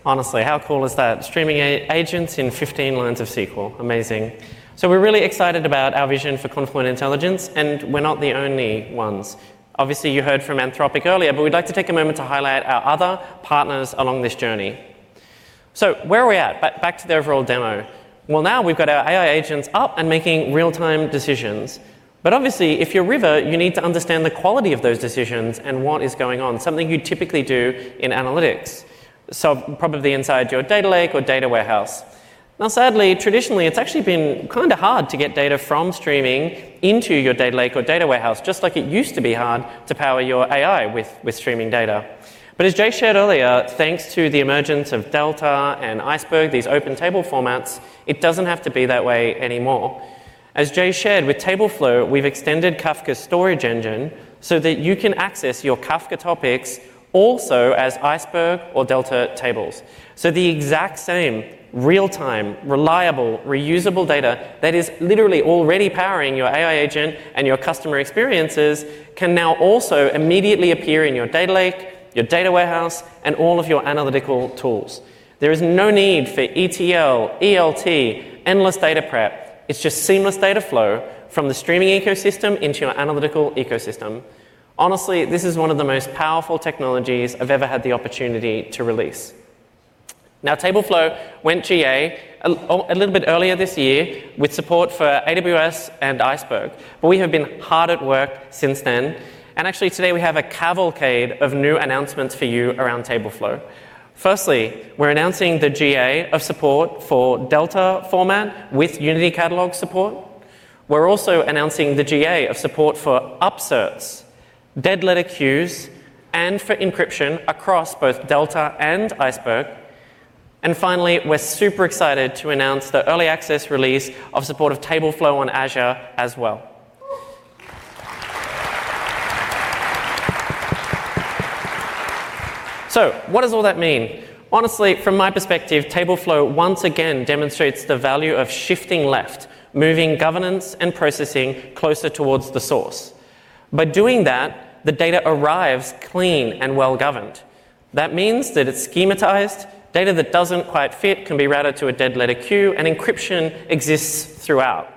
Honestly, how cool is that? Streaming agents in 15 lines of SQL. Amazing. So we're really excited about our vision for Confluent Intelligence. And we're not the only ones. Obviously, you heard from Anthropic earlier, but we'd like to take a moment to highlight our other partners along this journey. So where are we at? Back to the overall demo. Well, now we've got our AI agents up and making real-time decisions. But obviously, if you're River, you need to understand the quality of those decisions and what is going on, something you typically do in analytics, so probably inside your data lake or data warehouse. Now, sadly, traditionally, it's actually been kind of hard to get data from streaming into your data lake or data warehouse, just like it used to be hard to power your AI with streaming data. But as Jay shared earlier, thanks to the emergence of Delta and Iceberg, these open table formats, it doesn't have to be that way anymore. As Jay shared with TableFlow, we've extended Kafka storage engine so that you can access your Kafka topics also as Iceberg or Delta tables. So the exact same real-time, reliable, reusable data that is literally already powering your AI agent and your customer experiences can now also immediately appear in your data lake, your data warehouse, and all of your analytical tools. There is no need for ETL, ELT, endless data prep. It's just seamless data flow from the streaming ecosystem into your analytical ecosystem. Honestly, this is one of the most powerful technologies I've ever had the opportunity to release. Now, TableFlow went GA a little bit earlier this year with support for AWS and Iceberg, but we have been hard at work since then, and actually, today, we have a cavalcade of new announcements for you around TableFlow. Firstly, we're announcing the GA of support for Delta format with Unity Catalog support. We're also announcing the GA of support for upserts, dead-letter queues, and for encryption across both Delta and Iceberg, and finally, we're super excited to announce the early access release of support of TableFlow on Azure as well, so what does all that mean? Honestly, from my perspective, TableFlow once again demonstrates the value of shifting left, moving governance and processing closer towards the source. By doing that, the data arrives clean and well-governed. That means that it's schematized. Data that doesn't quite fit can be routed to a dead-letter queue, and encryption exists throughout.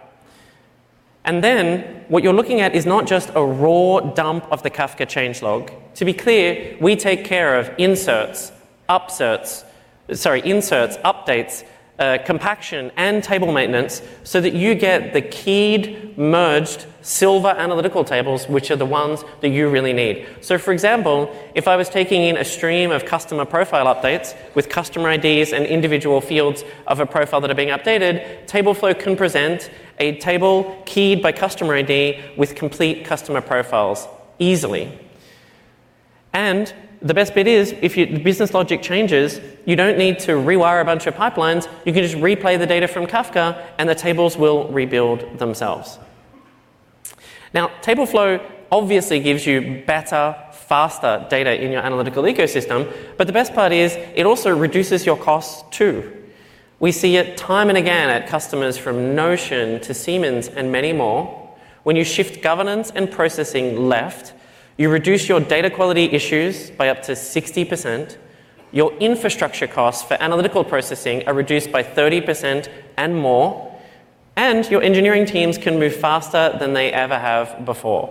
And then what you're looking at is not just a raw dump of the Kafka changelog. To be clear, we take care of inserts, upserts, sorry, inserts, updates, compaction, and table maintenance so that you get the keyed, merged Silver analytical tables, which are the ones that you really need. So, for example, if I was taking in a stream of customer profile updates with customer IDs and individual fields of a profile that are being updated, TableFlow can present a table keyed by customer ID with complete customer profiles easily. And the best bit is, if the business logic changes, you don't need to rewire a bunch of pipelines. You can just replay the data from Kafka, and the tables will rebuild themselves. Now, TableFlow obviously gives you better, faster data in your analytical ecosystem. But the best part is it also reduces your costs too. We see it time and again at customers from Notion to Siemens and many more. When you shift governance and processing left, you reduce your data quality issues by up to 60%. Your infrastructure costs for analytical processing are reduced by 30% and more, and your engineering teams can move faster than they ever have before.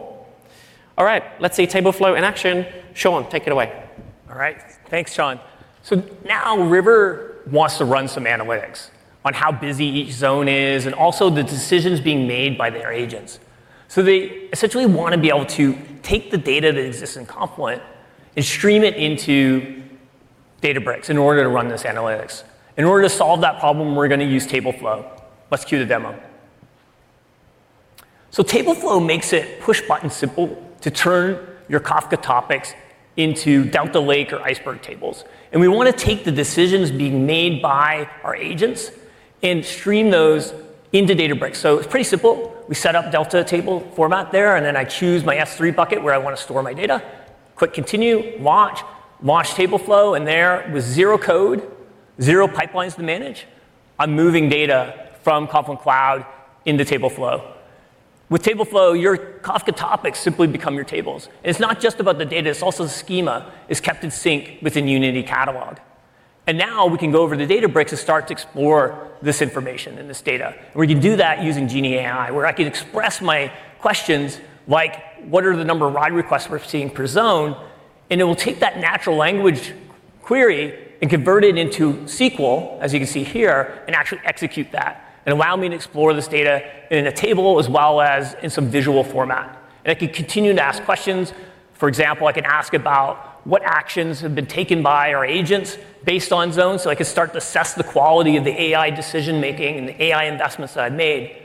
All right. Let's see TableFlow in action. Sean, take it away. All right. Thanks, Shaun. So now River wants to run some analytics on how busy each zone is and also the decisions being made by their agents. So they essentially want to be able to take the data that exists in Confluent and stream it into Databricks in order to run this analytics. In order to solve that problem, we're going to use TableFlow. Let's cue the demo, so TableFlow makes it push-button simple to turn your Kafka topics into Delta Lake or Iceberg tables, and we want to take the decisions being made by our agents and stream those into Databricks, so it's pretty simple. We set up Delta table format there, and then I choose my S3 bucket where I want to store my data, click Continue, Launch, Launch TableFlow, and there, with zero code, zero pipelines to manage, I'm moving data from Confluent Cloud into TableFlow. With TableFlow, your Kafka topics simply become your tables, and it's not just about the data, it's also the schema is kept in sync within Unity Catalog, and now we can go over to Databricks and start to explore this information and this data. And we can do that using Genie AI, where I can express my questions like, "What are the number of ride requests we're seeing per zone?" And it will take that natural language query and convert it into SQL, as you can see here, and actually execute that and allow me to explore this data in a table as well as in some visual format. And I can continue to ask questions. For example, I can ask about what actions have been taken by our agents based on zones. So I can start to assess the quality of the AI decision-making and the AI investments that I've made.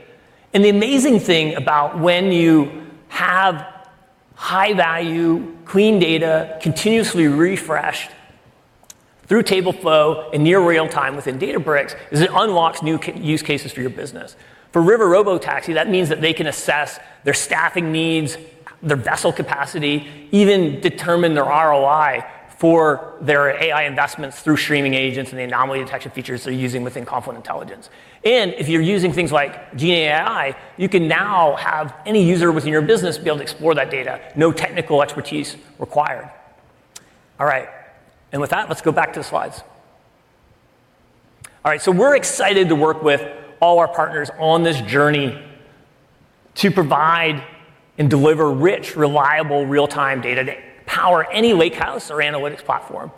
And the amazing thing about when you have high-value, clean data continuously refreshed through TableFlow and near real-time within Databricks is it unlocks new use cases for your business. For River Robotaxi, that means that they can assess their staffing needs, their vessel capacity, even determine their ROI for their AI investments through streaming agents and the anomaly detection features they're using within Confluent Intelligence. And if you're using things like Genie AI, you can now have any user within your business be able to explore that data, no technical expertise required. All right. And with that, let's go back to the slides. All right. So we're excited to work with all our partners on this journey to provide and deliver rich, reliable, real-time data that power any lakehouse or analytics platform.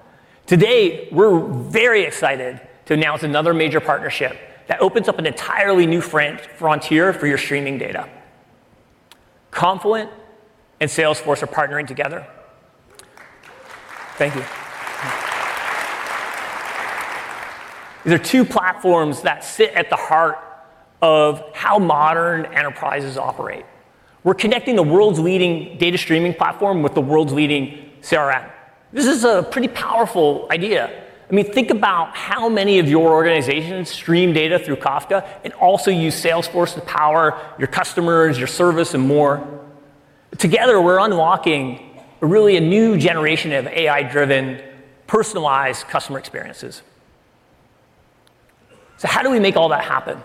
Today, we're very excited to announce another major partnership that opens up an entirely new frontier for your streaming data. Confluent and Salesforce are partnering together. Thank you. These are two platforms that sit at the heart of how modern enterprises operate. We're connecting the world's leading data streaming platform with the world's leading CRM. This is a pretty powerful idea. I mean, think about how many of your organizations stream data through Kafka and also use Salesforce to power your customers, your service, and more. Together, we're unlocking really a new generation of AI-driven, personalized customer experiences. So how do we make all that happen?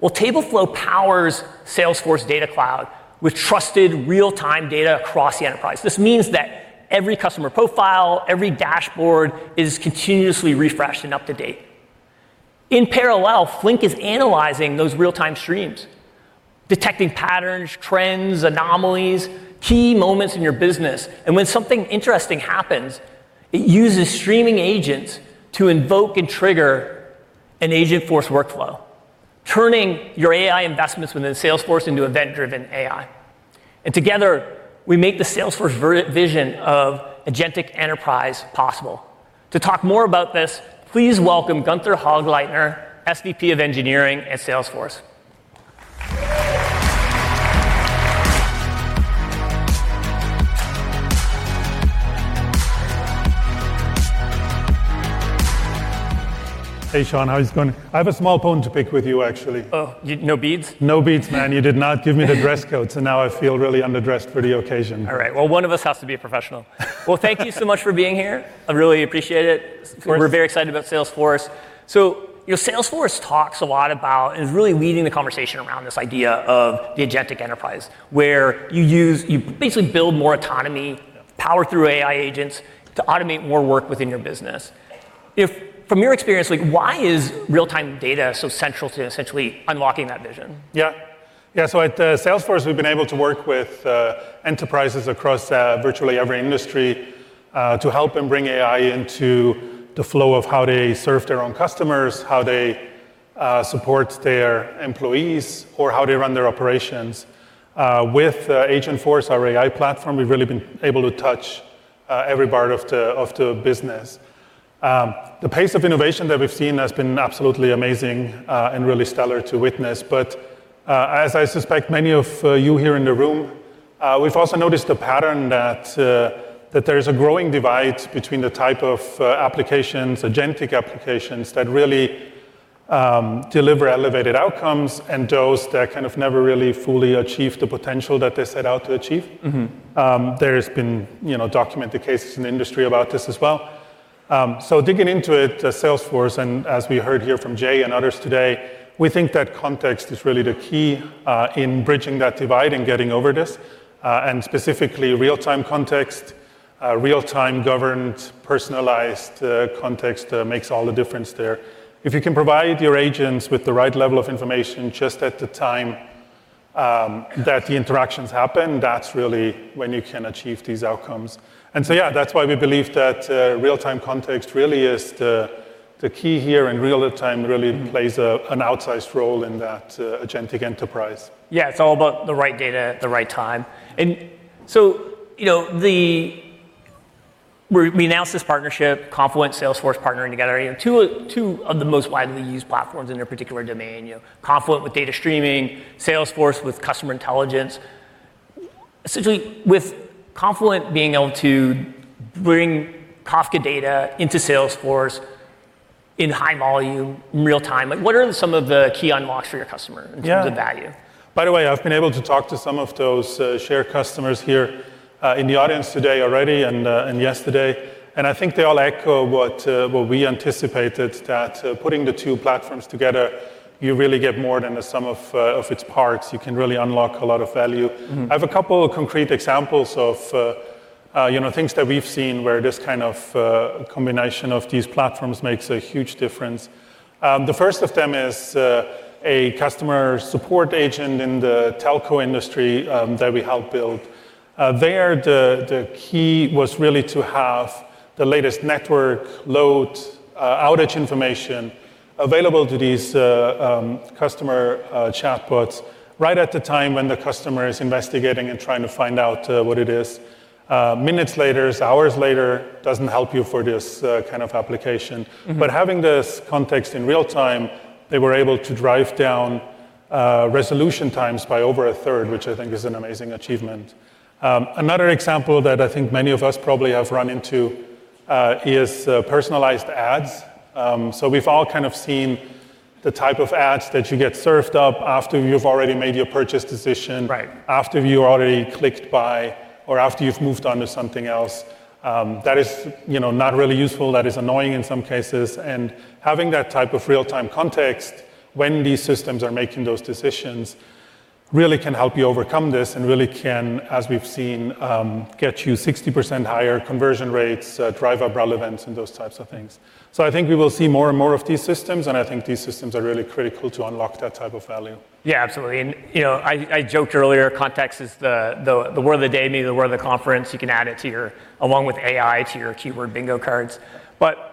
Well, TableFlow powers Salesforce Data Cloud with trusted real-time data across the enterprise. This means that every customer profile, every dashboard is continuously refreshed and up to date. In parallel, Flink is analyzing those real-time streams, detecting patterns, trends, anomalies, key moments in your business. And when something interesting happens, it uses streaming agents to invoke and trigger an Agentforce workflow, turning your AI investments within Salesforce into event-driven AI. And together, we make the Salesforce vision of Agentic Enterprise possible. To talk more about this, please welcome Gunther Hagleitner, SVP of Engineering at Salesforce. Hey, Sean. How's it going? I have a small bone to pick with you, actually. Oh, no beads? No beads, man. You did not give me the dress code, so now I feel really underdressed for the occasion. All right, well, one of us has to be a professional. Well, thank you so much for being here. I really appreciate it. We're very excited about Salesforce, so Salesforce talks a lot about and is really leading the conversation around this idea of the Agentic Enterprise, where you basically build more autonomy, power through AI agents to automate more work within your business. From your experience, why is real-time data so central to essentially unlocking that vision? Yeah. Yeah. So at Salesforce, we've been able to work with enterprises across virtually every industry to help them bring AI into the flow of how they serve their own customers, how they support their employees, or how they run their operations. With Agentforce, our AI platform, we've really been able to touch every part of the business. The pace of innovation that we've seen has been absolutely amazing and really stellar to witness. But as I suspect many of you here in the room, we've also noticed a pattern that there is a growing divide between the type of applications, agentic applications, that really deliver elevated outcomes and those that kind of never really fully achieve the potential that they set out to achieve. There has been documented cases in the industry about this as well. So digging into it, Salesforce, and as we heard here from Jay and others today, we think that context is really the key in bridging that divide and getting over this. And specifically, real-time context, real-time governed, personalized context makes all the difference there. If you can provide your agents with the right level of information just at the time that the interactions happen, that's really when you can achieve these outcomes. And so, yeah, that's why we believe that real-time context really is the key here and real-time really plays an outsized role in that Agentic Enterprise. Yeah. It's all about the right data, the right time. And so we announced this partnership, Confluent, Salesforce partnering together, two of the most widely used platforms in their particular domain, Confluent with data streaming, Salesforce with customer intelligence. Essentially, with Confluent being able to bring Kafka data into Salesforce in high volume, real-time, what are some of the key unlocks for your customer in terms of value? By the way, I've been able to talk to some of those shared customers here in the audience today already and yesterday. And I think they all echo what we anticipated, that putting the two platforms together, you really get more than the sum of its parts. You can really unlock a lot of value. I have a couple of concrete examples of things that we've seen where this kind of combination of these platforms makes a huge difference. The first of them is a customer support agent in the telco industry that we helped build. There, the key was really to have the latest network load outage information available to these customer chatbots right at the time when the customer is investigating and trying to find out what it is. Minutes later, hours later doesn't help you for this kind of application. But having this context in real time, they were able to drive down resolution times by over a third, which I think is an amazing achievement. Another example that I think many of us probably have run into is personalized ads. So we've all kind of seen the type of ads that you get served up after you've already made your purchase decision, after you've already clicked buy or after you've moved on to something else that is not really useful, that is annoying in some cases. And having that type of real-time context when these systems are making those decisions really can help you overcome this and really can, as we've seen, get you 60% higher conversion rates, drive up relevance, and those types of things. So I think we will see more and more of these systems. And I think these systems are really critical to unlock that type of value. Yeah, absolutely. And I joked earlier, context is the word of the day, maybe the word of the conference. You can add it along with AI to your keyword bingo cards. But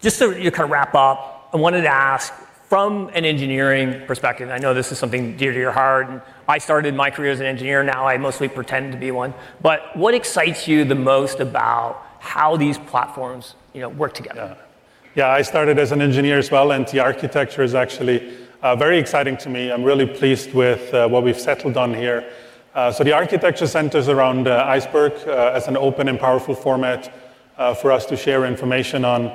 just to kind of wrap up, I wanted to ask from an engineering perspective, and I know this is something dear to your heart. And I started my career as an engineer. Now I mostly pretend to be one. But what excites you the most about how these platforms work together? Yeah. I started as an engineer as well. The architecture is actually very exciting to me. I'm really pleased with what we've settled on here. The architecture centers around Iceberg as an open and powerful format for us to share information on.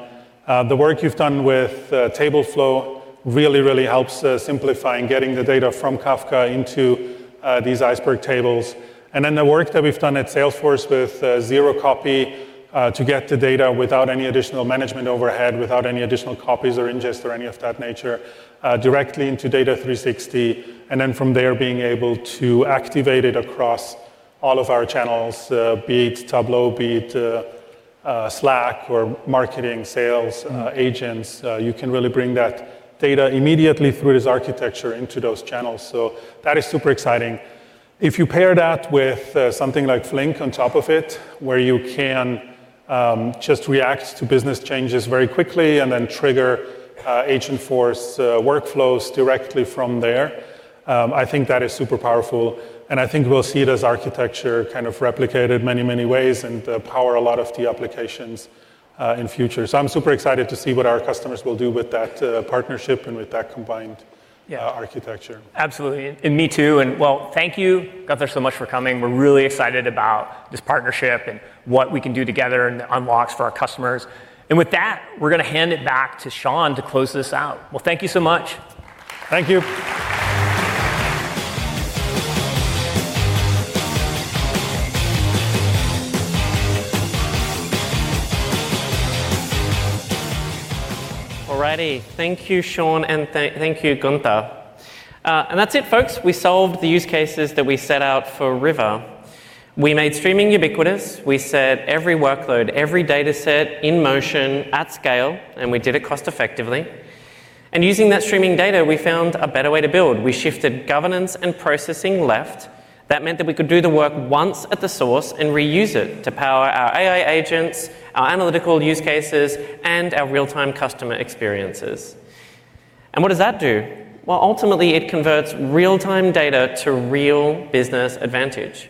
The work you've done with TableFlow really, really helps simplifying getting the data from Kafka into these Iceberg tables. Then the work that we've done at Salesforce with Zero Copy to get the data without any additional management overhead, without any additional copies or ingest or any of that nature, directly into Data 360. Then from there, being able to activate it across all of our channels, be it Tableau, be it Slack or marketing, sales, agents. You can really bring that data immediately through this architecture into those channels. That is super exciting. If you pair that with something like Flink on top of it, where you can just react to business changes very quickly and then trigger Agentforce workflows directly from there, I think that is super powerful. And I think we'll see this architecture kind of replicated in many, many ways and power a lot of the applications in future. So I'm super excited to see what our customers will do with that partnership and with that combined architecture. Absolutely. And me too. And well, thank you, Gunther, so much for coming. We're really excited about this partnership and what we can do together and the unlocks for our customers. And with that, we're going to hand it back to Shaun to close this out. Well, thank you so much. Thank you. All righty. Thank you, Sean, and thank you, Gunther. And that's it, folks. We solved the use cases that we set out for River. We made streaming ubiquitous. We set every workload, every data set in motion at scale, and we did it cost-effectively. And using that streaming data, we found a better way to build. We shifted governance and processing left. That meant that we could do the work once at the source and reuse it to power our AI agents, our analytical use cases, and our real-time customer experiences. And what does that do? Well, ultimately, it converts real-time data to real business advantage.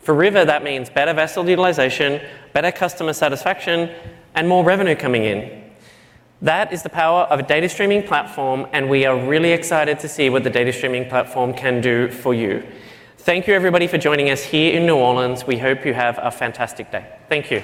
For River, that means better vessel utilization, better customer satisfaction, and more revenue coming in. That is the power of a data streaming platform. And we are really excited to see what the data streaming platform can do for you. Thank you, everybody, for joining us here in New Orleans. We hope you have a fantastic day. Thank you.